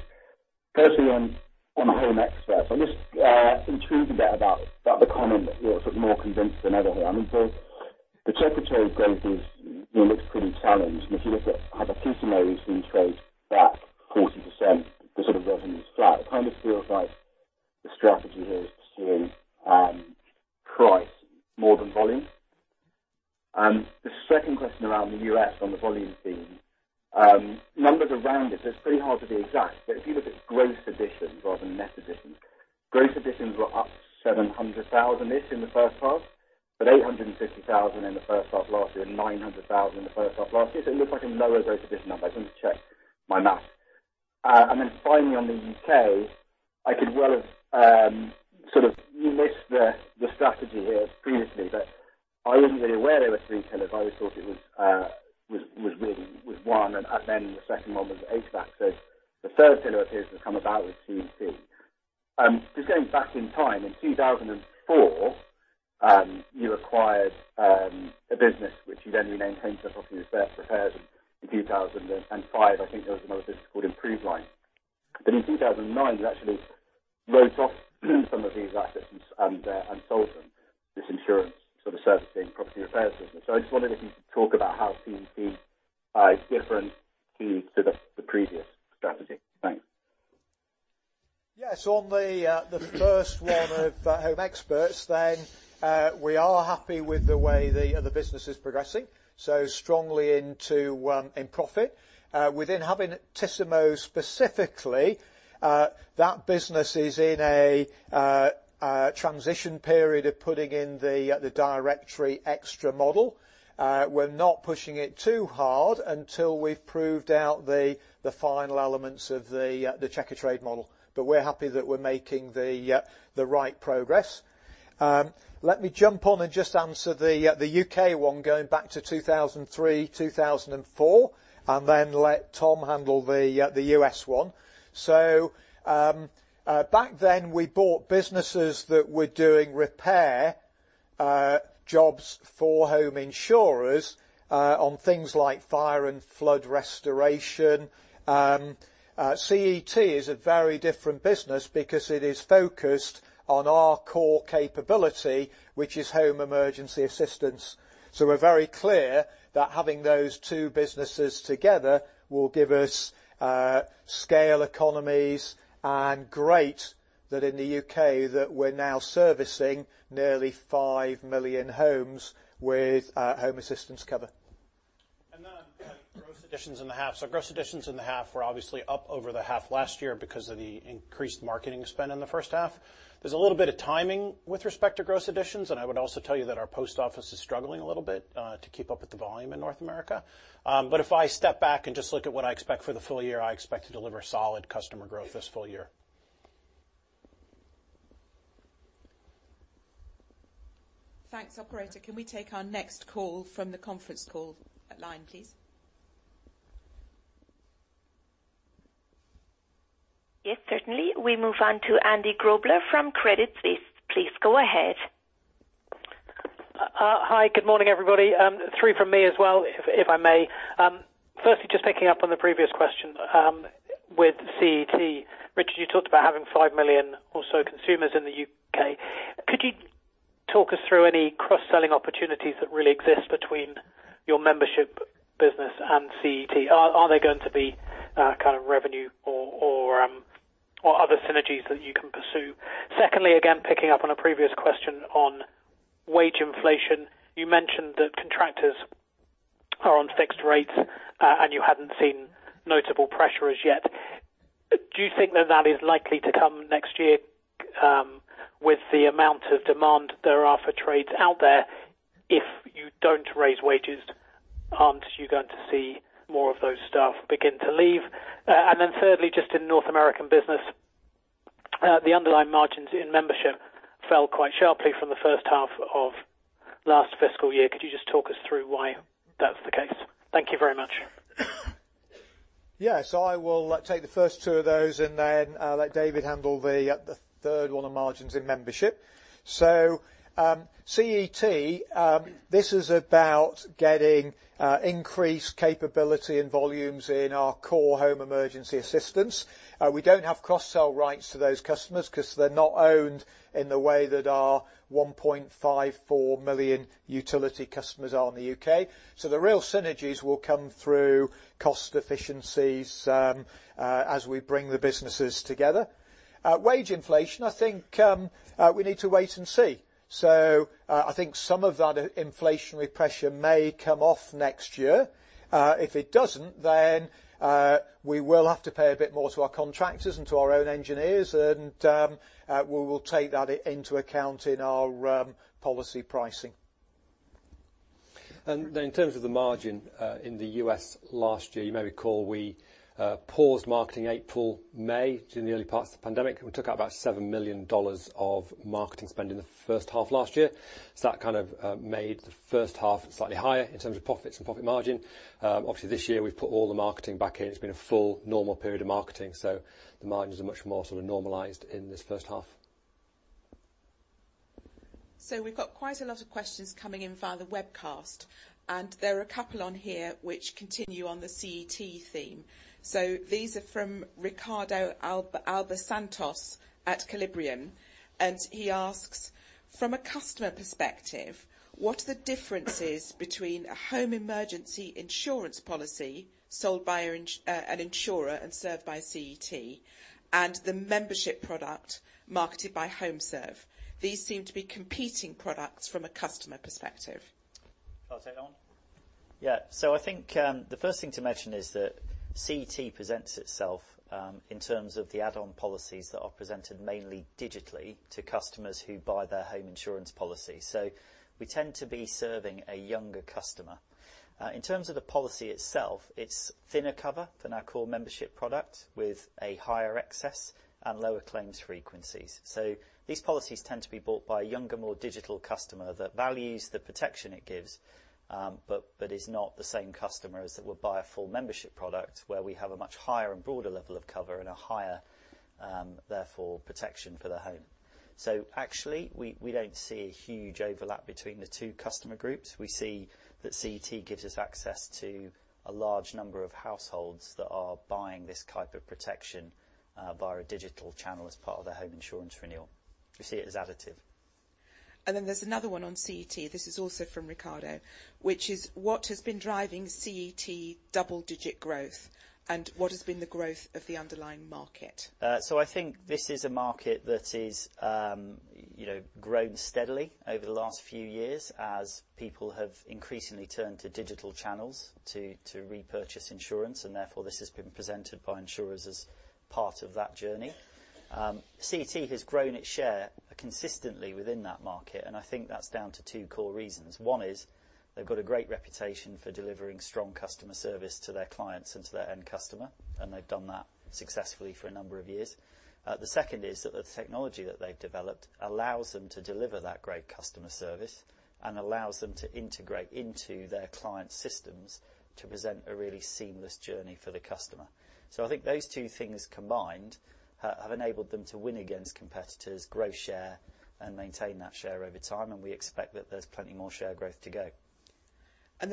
Firstly on Home Experts, I'm just intrigued a bit about the comment that you're sort of more convinced than ever here. I mean, the Checkatrade growth is, you know, looks pretty challenged, and if you look at how the customer recently trades back 40%, the sort of revenue's flat. It kind of feels like the strategy here is to swing price more than volume. The second question around the U.S. on the volume theme, numbers are rounded, so it's pretty hard to be exact, but if you look at gross additions rather than net additions, gross additions were up 700,000-ish in the first half, but 850,000 in the first half last year, and 900,000 in the first half last year. It looks like a lower gross addition number. I just want to check my math. Finally on the U.K., I could well have sort of missed the strategy here previously, but I wasn't really aware there were three pillars. I always thought it was one and then the second one was the HVAC. The third pillar appears to have come about with CET. Just going back in time, in 2004, you acquired a business which you then renamed Home Circle. I think it was first prepared in 2005. I think that was the most difficult improvement line. In 2009, you actually wrote off some of these assets and sold them, this insurance sort of servicing property repairs business. I just wondered if you could talk about how CET is different to the previous strategy? Thanks. Yes. On the first one of Home Experts then, we are happy with the way the other business is progressing so strongly into profit. Within Habitissimo specifically, that business is in a transition period of putting in the Directory Extra model. We're not pushing it too hard until we've proved out the final elements of the Checkatrade model. We're happy that we're making the right progress. Let me jump on and just answer the U.K. one going back to 2003, 2004, and then let Tom handle the U.S. one. Back then, we bought businesses that were doing repair jobs for home insurers on things like fire and flood restoration. CET is a very different business because it is focused on our core capability, which is home emergency assistance. We're very clear that having those two businesses together will give us scale economies. Great that in the U.K. that we're now servicing nearly 5 million homes with home assistance cover. On gross additions in the half. Gross additions in the half were obviously up over the half last year because of the increased marketing spend in the first half. There's a little bit of timing with respect to gross additions, and I would also tell you that our post office is struggling a little bit to keep up with the volume in North America. If I step back and just look at what I expect for the full year, I expect to deliver solid customer growth this full year. Thanks. Operator, can we take our next call from the conference call line, please? Yes, certainly. We move on to Andy Grobler from Credit Suisse. Please go ahead. Hi. Good morning, everybody. Three from me as well, if I may. Firstly, just picking up on the previous question with CET. Richard, you talked about having 5 million or so consumers in the U.K. Could you talk us through any cross-selling opportunities that really exist between your membership business and CET? Are there going to be kind of revenue or other synergies that you can pursue? Secondly, again, picking up on a previous question on wage inflation. You mentioned that contractors are on fixed rates and you hadn't seen notable pressure as yet. Do you think that is likely to come next year with the amount of demand there are for trades out there? If you don't raise wages, aren't you going to see more of those staff begin to leave? Thirdly, just in North American business, the underlying margins in membership fell quite sharply from the first half of last fiscal year. Could you just talk us through why that's the case? Thank you very much. Yeah. I will take the first two of those and then let David handle the third one on margins in membership. CET, this is about getting increased capability and volumes in our core home emergency assistance. We don't have cross-sell rights to those customers 'cause they're not owned in the way that our 1.54 million utility customers are in the U.K. The real synergies will come through cost efficiencies as we bring the businesses together. Wage inflation, I think, we need to wait and see. I think some of that inflationary pressure may come off next year. If it doesn't, we will have to pay a bit more to our contractors and to our own engineers, and we will take that into account in our policy pricing. In terms of the margin, in the U.S. last year, you may recall we paused marketing April, May, during the early parts of the pandemic. We took out about $7 million of marketing spend in the first half last year. That kind of made the first half slightly higher in terms of profits and profit margin. Obviously this year we've put all the marketing back in. It's been a full normal period of marketing, so the margins are much more sort of normalized in this first half. We've got quite a lot of questions coming in via the webcast, and there are a couple on here which continue on the CET theme. These are from Ricardo Alba Santos at Calibrium, and he asks, "From a customer perspective, what are the differences between a home emergency insurance policy sold by an insurer and served by CET and the membership product marketed by HomeServe? These seem to be competing products from a customer perspective. I'll take that one. Yeah. I think the first thing to mention is that CET presents itself in terms of the add-on policies that are presented mainly digitally to customers who buy their home insurance policy. We tend to be serving a younger customer. In terms of the policy itself, it's thinner cover than our core membership product with a higher excess and lower claims frequencies. These policies tend to be bought by a younger, more digital customer that values the protection it gives, but is not the same customer as that would buy a full membership product where we have a much higher and broader level of cover and a higher, therefore protection for the home. Actually, we don't see a huge overlap between the two customer groups. We see that CET gives us access to a large number of households that are buying this type of protection, via a digital channel as part of their home insurance renewal. We see it as additive. There's another one on CET, this is also from Ricardo, which is what has been driving CET double-digit growth and what has been the growth of the underlying market? I think this is a market that is grown steadily over the last few years as people have increasingly turned to digital channels to repurchase insurance, and therefore this has been presented by insurers as part of that journey. CET has grown its share consistently within that market, and I think that's down to two core reasons. One is they've got a great reputation for delivering strong customer service to their clients and to their end customer, and they've done that successfully for a number of years. The second is that the technology that they've developed allows them to deliver that great customer service and allows them to integrate into their client's systems to present a really seamless journey for the customer. I think those two things combined have enabled them to win against competitors, grow share, and maintain that share over time, and we expect that there's plenty more share growth to go.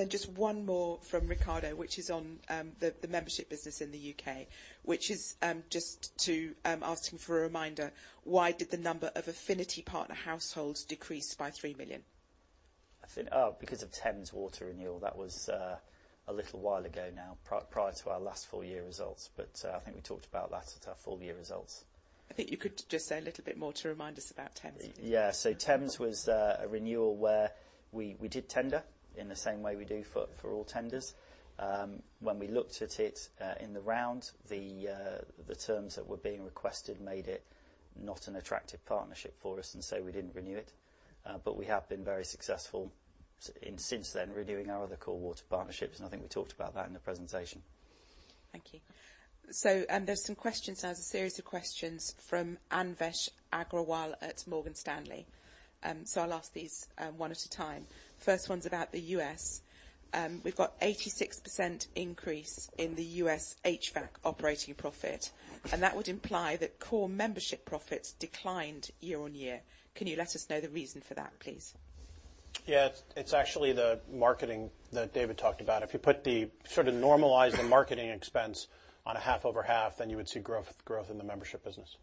Just one more from Ricardo, which is on the membership business in the U.K., which is just asking for a reminder, why did the number of affinity partner households decrease by 3 million? I think, because of Thames Water renewal. That was, a little while ago now, prior to our last full year results. I think we talked about that at our full year results. I think you could just say a little bit more to remind us about Thames. Thames was a renewal where we did tender in the same way we do for all tenders. When we looked at it in the round, the terms that were being requested made it not an attractive partnership for us, and so we didn't renew it. But we have been very successful since then in renewing our other core water partnerships. I think we talked about that in the presentation. Thank you. There's a series of questions from Anvesh Agrawal at Morgan Stanley. I'll ask these one at a time. First one's about the U.S. We've got 86% increase in the U.S. HVAC operating profit, and that would imply that core membership profits declined year-over-year. Can you let us know the reason for that, please? Yeah. It's actually the marketing that David talked about. If you put the, sort of normalize the marketing expense on a half over half, then you would see growth in the membership business.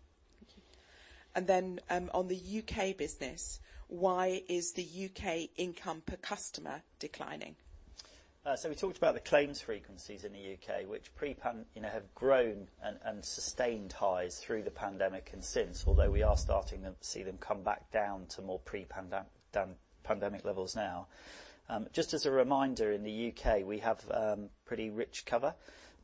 Thank you. On the U.K. business, why is the U.K. income per customer declining? We talked about the claims frequencies in the U.K., which pre-pandemic, you know, have grown and sustained highs through the pandemic and since, although we are starting to see them come back down to more pre-pandemic levels now. Just as a reminder, in the U.K., we have pretty rich cover,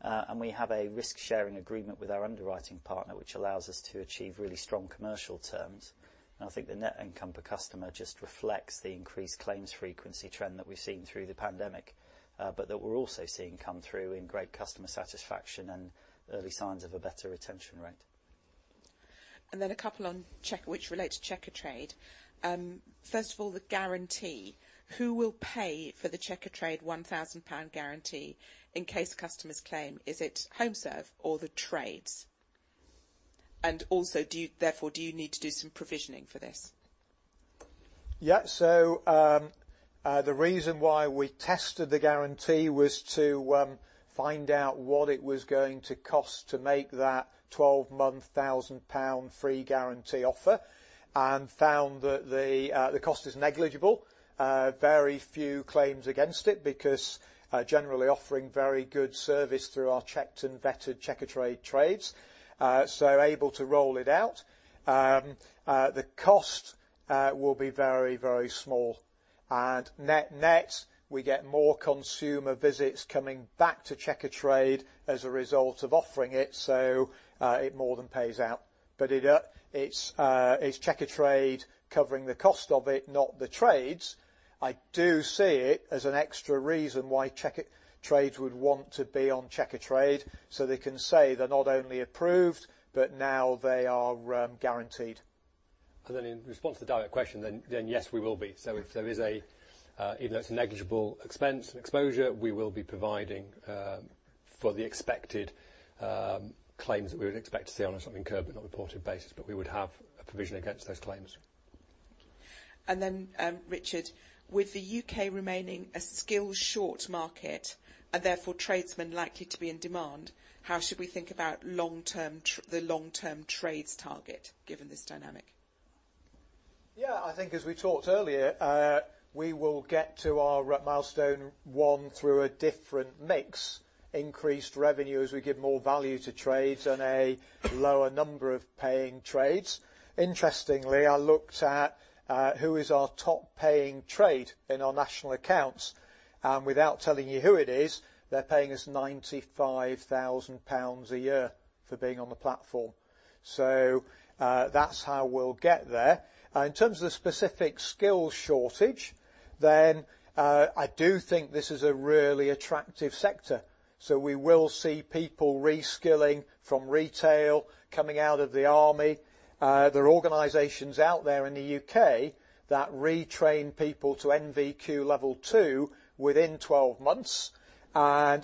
and we have a risk-sharing agreement with our underwriting partner, which allows us to achieve really strong commercial terms. I think the net income per customer just reflects the increased claims frequency trend that we've seen through the pandemic, but that we're also seeing come through in great customer satisfaction and early signs of a better retention rate. A couple on Checkatrade which relate to Checkatrade. First of all, the guarantee. Who will pay for the Checkatrade 1,000 pound guarantee in case customers claim? Is it HomeServe or the trades? Also, do you need to do some provisioning for this? Yeah. The reason why we tested the guarantee was to find out what it was going to cost to make that 12-month 1,000 pound free guarantee offer and found that the cost is negligible. Very few claims against it because generally offering very good service through our checked and vetted Checkatrade trades, so able to roll it out. The cost will be very, very small. Net-net, we get more consumer visits coming back to Checkatrade as a result of offering it, so it more than pays out. It's Checkatrade covering the cost of it, not the trades. I do see it as an extra reason why Checkatrade would want to be on Checkatrade, so they can say they're not only approved, but now they are guaranteed. In response to the direct question, yes, we will be. Even though it's a negligible expense and exposure, we will be providing for the expected claims that we would expect to see on an incurred but not reported basis, but we would have a provision against those claims. Richard, with the U.K. remaining a skill-short market and therefore tradesmen likely to be in demand, how should we think about the long-term trades target given this dynamic? Yeah, I think as we talked earlier, we will get to our Milestone 1 through a different mix, increased revenue as we give more value to trades and a lower number of paying trades. Interestingly, I looked at who is our top paying trade in our national accounts, and without telling you who it is, they're paying us 95,000 pounds a year for being on the platform. That's how we'll get there. In terms of the specific skill shortage, I do think this is a really attractive sector. We will see people reskilling from retail, coming out of the army. There are organizations out there in the U.K. that retrain people to NVQ Level 2 within 12 months.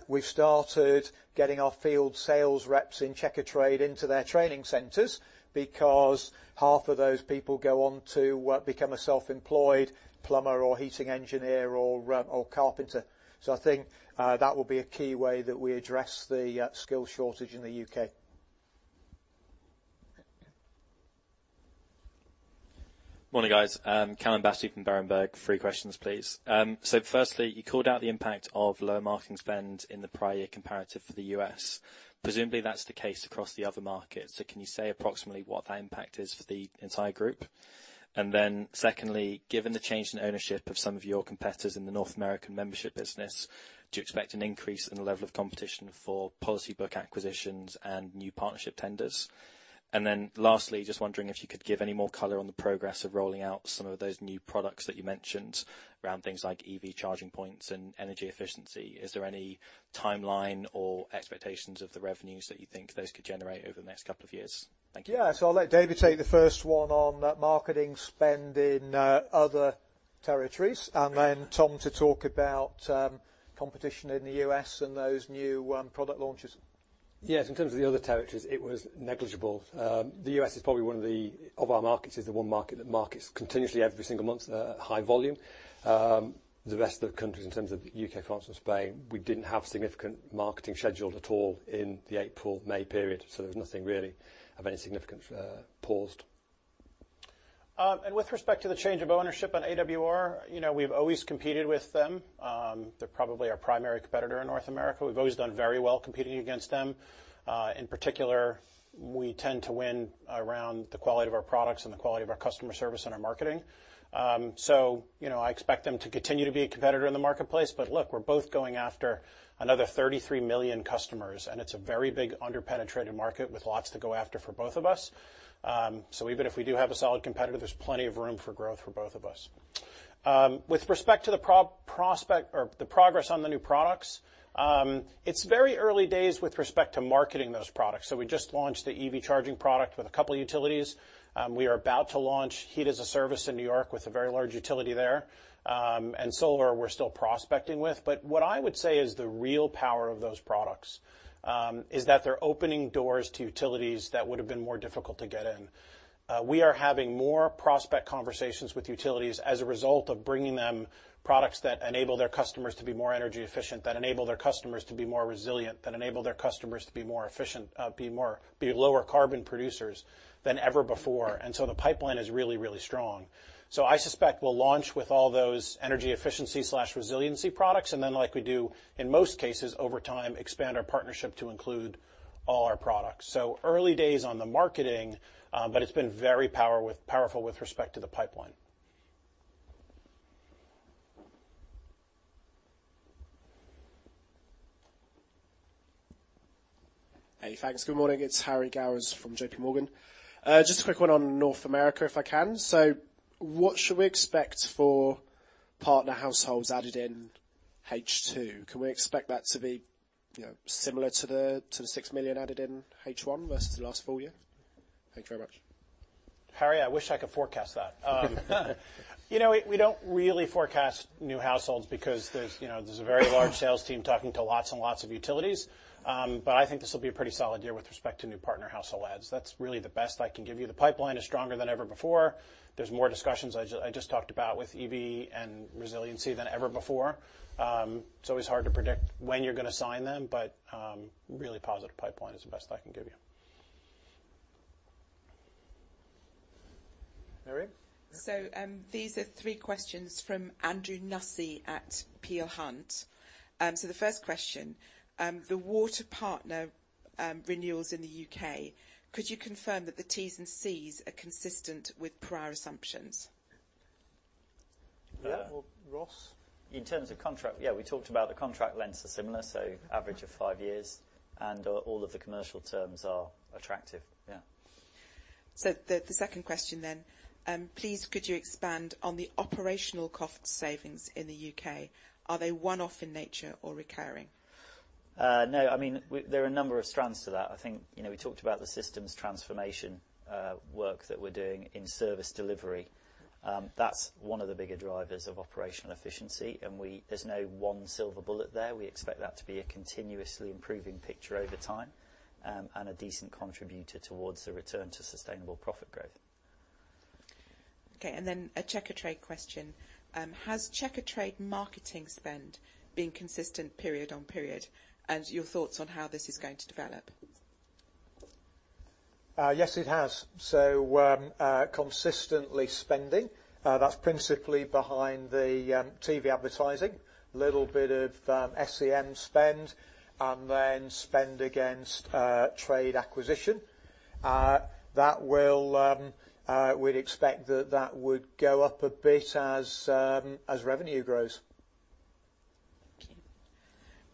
We've started getting our field sales reps in Checkatrade into their training centers because half of those people go on to become a self-employed plumber or heating engineer or carpenter. I think that will be a key way that we address the skill shortage in the U.K. Morning, guys. Calum Battersby from Berenberg. Three questions, please. Firstly, you called out the impact of lower marketing spend in the prior year comparative for the U.S. Presumably, that's the case across the other markets. Can you say approximately what that impact is for the entire group? And then secondly, given the change in ownership of some of your competitors in the North American membership business, do you expect an increase in the level of competition for policy book acquisitions and new partnership tenders? And then lastly, just wondering if you could give any more color on the progress of rolling out some of those new products that you mentioned around things like EV charging points and energy efficiency. Is there any timeline or expectations of the revenues that you think those could generate over the next couple of years? Thank you. Yeah. I'll let David take the first one on marketing spend in other territories. Tom to talk about competition in the U.S. and those new product launches. Yes, in terms of the other territories, it was negligible. The U.S. is probably one of our markets, is the one market that markets continuously every single month at high volume. The rest of the countries, in terms of U.K., France and Spain, we didn't have significant marketing scheduled at all in the April-May period, so there was nothing really of any significance paused. With respect to the change of ownership on AWR, you know, we've always competed with them. They're probably our primary competitor in North America. We've always done very well competing against them. In particular, we tend to win around the quality of our products and the quality of our customer service and our marketing. You know, I expect them to continue to be a competitor in the marketplace. Look, we're both going after another 33 million customers, and it's a very big under-penetrated market with lots to go after for both of us. Even if we do have a solid competitor, there's plenty of room for growth for both of us. With respect to the progress on the new products, it's very early days with respect to marketing those products. We just launched the EV charging product with a couple utilities. We are about to launch Heat as a Service in New York with a very large utility there. Solar, we're still prospecting with. What I would say is the real power of those products is that they're opening doors to utilities that would have been more difficult to get in. We are having more prospect conversations with utilities as a result of bringing them products that enable their customers to be more energy efficient, that enable their customers to be more resilient, that enable their customers to be more efficient, be lower carbon producers than ever before. The pipeline is really, really strong. I suspect we'll launch with all those energy efficiency/resiliency products, and then, like we do in most cases, over time expand our partnership to include all our products. Early days on the marketing, but it's been very powerful with respect to the pipeline. Hey, thanks. Good morning. It's Harry Gowers from J.P. Morgan. Just a quick one on North America, if I can. What should we expect for partner households added in H2? Can we expect that to be, you know, similar to the 6 million added in H1 versus the last full year? Thank you very much. Harry, I wish I could forecast that. You know, we don't really forecast new households because there's, you know, there's a very large sales team talking to lots and lots of utilities. I think this will be a pretty solid year with respect to new partner household adds. That's really the best I can give you. The pipeline is stronger than ever before. There's more discussions I just talked about with EV and resiliency than ever before. It's always hard to predict when you're gonna sign them, but really positive pipeline is the best I can give you. Miriam? These are three questions from Andrew Nussey at Peel Hunt. The first question, the water partner renewals in the U.K., could you confirm that the T's and C's are consistent with prior assumptions? Yeah. Ross? In terms of contract, yeah, we talked about the contract lengths are similar, so average of five years, and, all of the commercial terms are attractive. Yeah. The second question then, please could you expand on the operational cost savings in the U.K.? Are they one-off in nature or recurring? No. I mean, there are a number of strands to that. I think, you know, we talked about the systems transformation work that we're doing in service delivery. That's one of the bigger drivers of operational efficiency, and there's no one silver bullet there. We expect that to be a continuously improving picture over time, and a decent contributor towards the return to sustainable profit growth. Okay. A Checkatrade question. Has Checkatrade marketing spend been consistent period-on-period? Your thoughts on how this is going to develop? Yes, it has. Consistently spending, that's principally behind the TV advertising, little bit of SEM spend and then spend against trade acquisition. We'd expect that would go up a bit as revenue grows.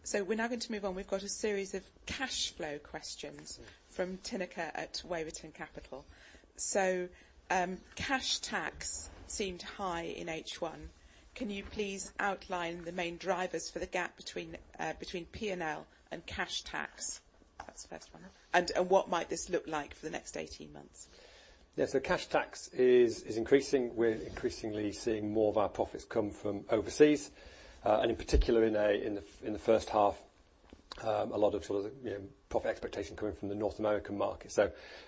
Thank you. We're now going to move on. We've got a series of cash flow questions from Tineke at Waverton Capital. Cash tax seemed high in H1. Can you please outline the main drivers for the gap between P&L and cash tax? That's the first one. And what might this look like for the next 18 months? Yes. Cash tax is increasing. We're increasingly seeing more of our profits come from overseas, and in particular in the first half, a lot of sort of profit expectation coming from the North American market.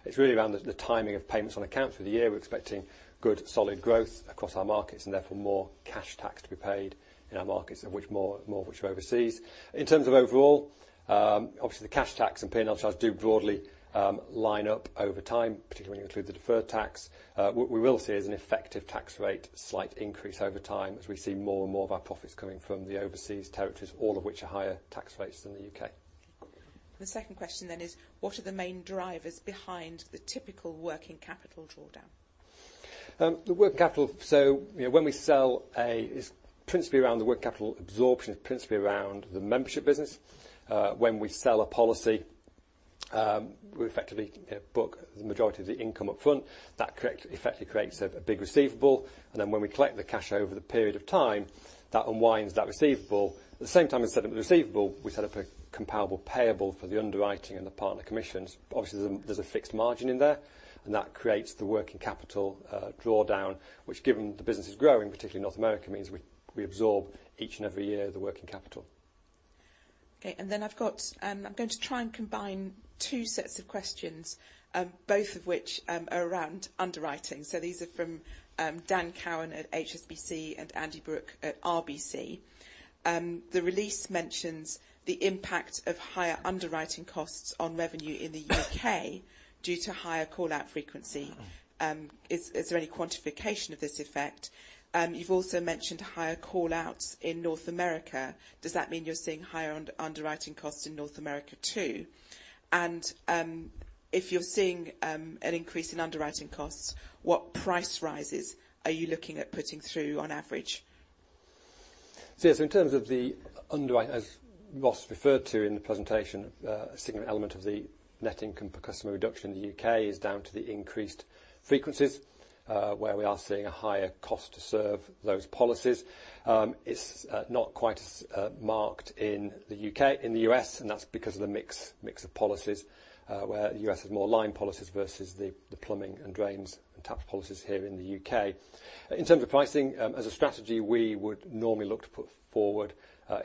It's really around the timing of payments on account for the year. We're expecting good solid growth across our markets and therefore more cash tax to be paid in our markets and which more of which are overseas. In terms of overall, obviously the cash tax and P&L charges do broadly line up over time, particularly when you include the deferred tax. What we will see is an effective tax rate slight increase over time as we see more and more of our profits coming from the overseas territories, all of which are higher tax rates than the U.K. The second question is what are the main drivers behind the typical working capital drawdown? The working capital, you know, it's principally around the working capital absorption, principally around the membership business. When we sell a policy, we effectively book the majority of the income up front. That effectively creates a big receivable. When we collect the cash over the period of time, that unwinds that receivable. At the same time as we set up the receivable, we set up a comparable payable for the underwriting and the partner commissions. Obviously, there's a fixed margin in there, and that creates the working capital drawdown. Which, given the business is growing, particularly North America, means we absorb each and every year the working capital. Okay. I've got. I'm going to try and combine two sets of questions, both of which are around underwriting. These are from Dan Cowan at HSBC and Andy Brooke at RBC. The release mentions the impact of higher underwriting costs on revenue in the U.K. due to higher call out frequency. Is there any quantification of this effect? You've also mentioned higher call outs in North America. Does that mean you're seeing higher underwriting costs in North America too? If you're seeing an increase in underwriting costs, what price rises are you looking at putting through on average? Yes, in terms of, as Ross referred to in the presentation, a significant element of the net income per customer reduction in the U.K. is down to the increased frequencies, where we are seeing a higher cost to serve those policies. It's not quite as marked in the U.K. in the U.S., and that's because of the mix of policies, where the U.S. has more line policies versus the plumbing and drains and tap policies here in the U.K. In terms of pricing, as a strategy, we would normally look to put forward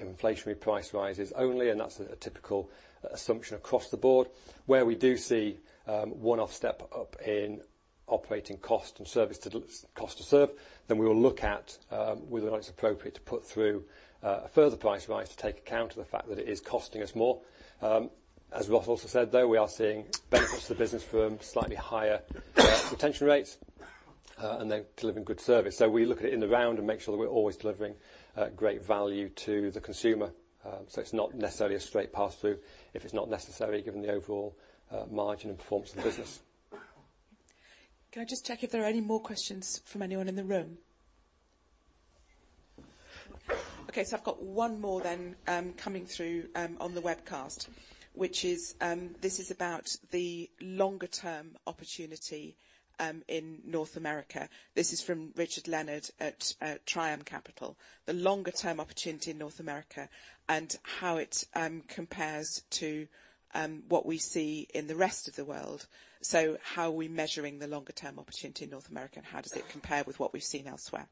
inflationary price rises only, and that's a typical assumption across the board. Where we do see one-off step up in operating cost and service to. Cost to serve, then we will look at whether or not it's appropriate to put through a further price rise to take account of the fact that it is costing us more. As Ross also said, we are seeing benefits to the business from slightly higher retention rates and then delivering good service. We look at it in the round and make sure that we're always delivering great value to the consumer. It's not necessarily a straight pass-through if it's not necessary, given the overall margin and performance of the business. Can I just check if there are any more questions from anyone in the room? Okay. I've got one more then, coming through, on the webcast, which is, this is about the longer term opportunity, in North America. This is from Richard Leonard at Trium Capital. The longer term opportunity in North America and how it compares to what we see in the rest of the world. How are we measuring the longer term opportunity in North America, and how does it compare with what we've seen elsewhere?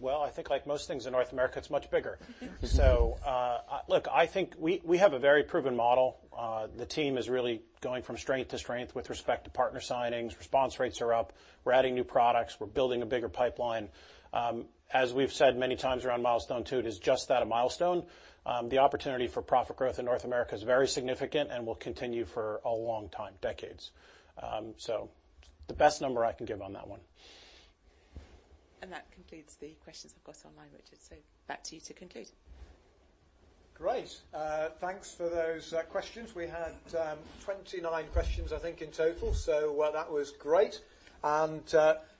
Well, I think like most things in North America, it's much bigger. Look, I think we have a very proven model. The team is really going from strength to strength with respect to partner signings. Response rates are up. We're adding new products. We're building a bigger pipeline. As we've said many times around Milestone 2, it is just that, a milestone. The opportunity for profit growth in North America is very significant and will continue for a long time, decades. The best number I can give on that one. That concludes the questions I've got online, Richard. Back to you to conclude. Great. Thanks for those questions. We had 29 questions, I think, in total. Well, that was great.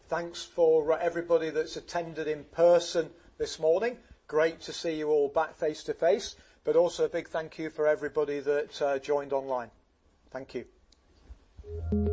Thanks for everybody that's attended in person this morning. Great to see you all back face to face, but also a big thank you for everybody that joined online. Thank you.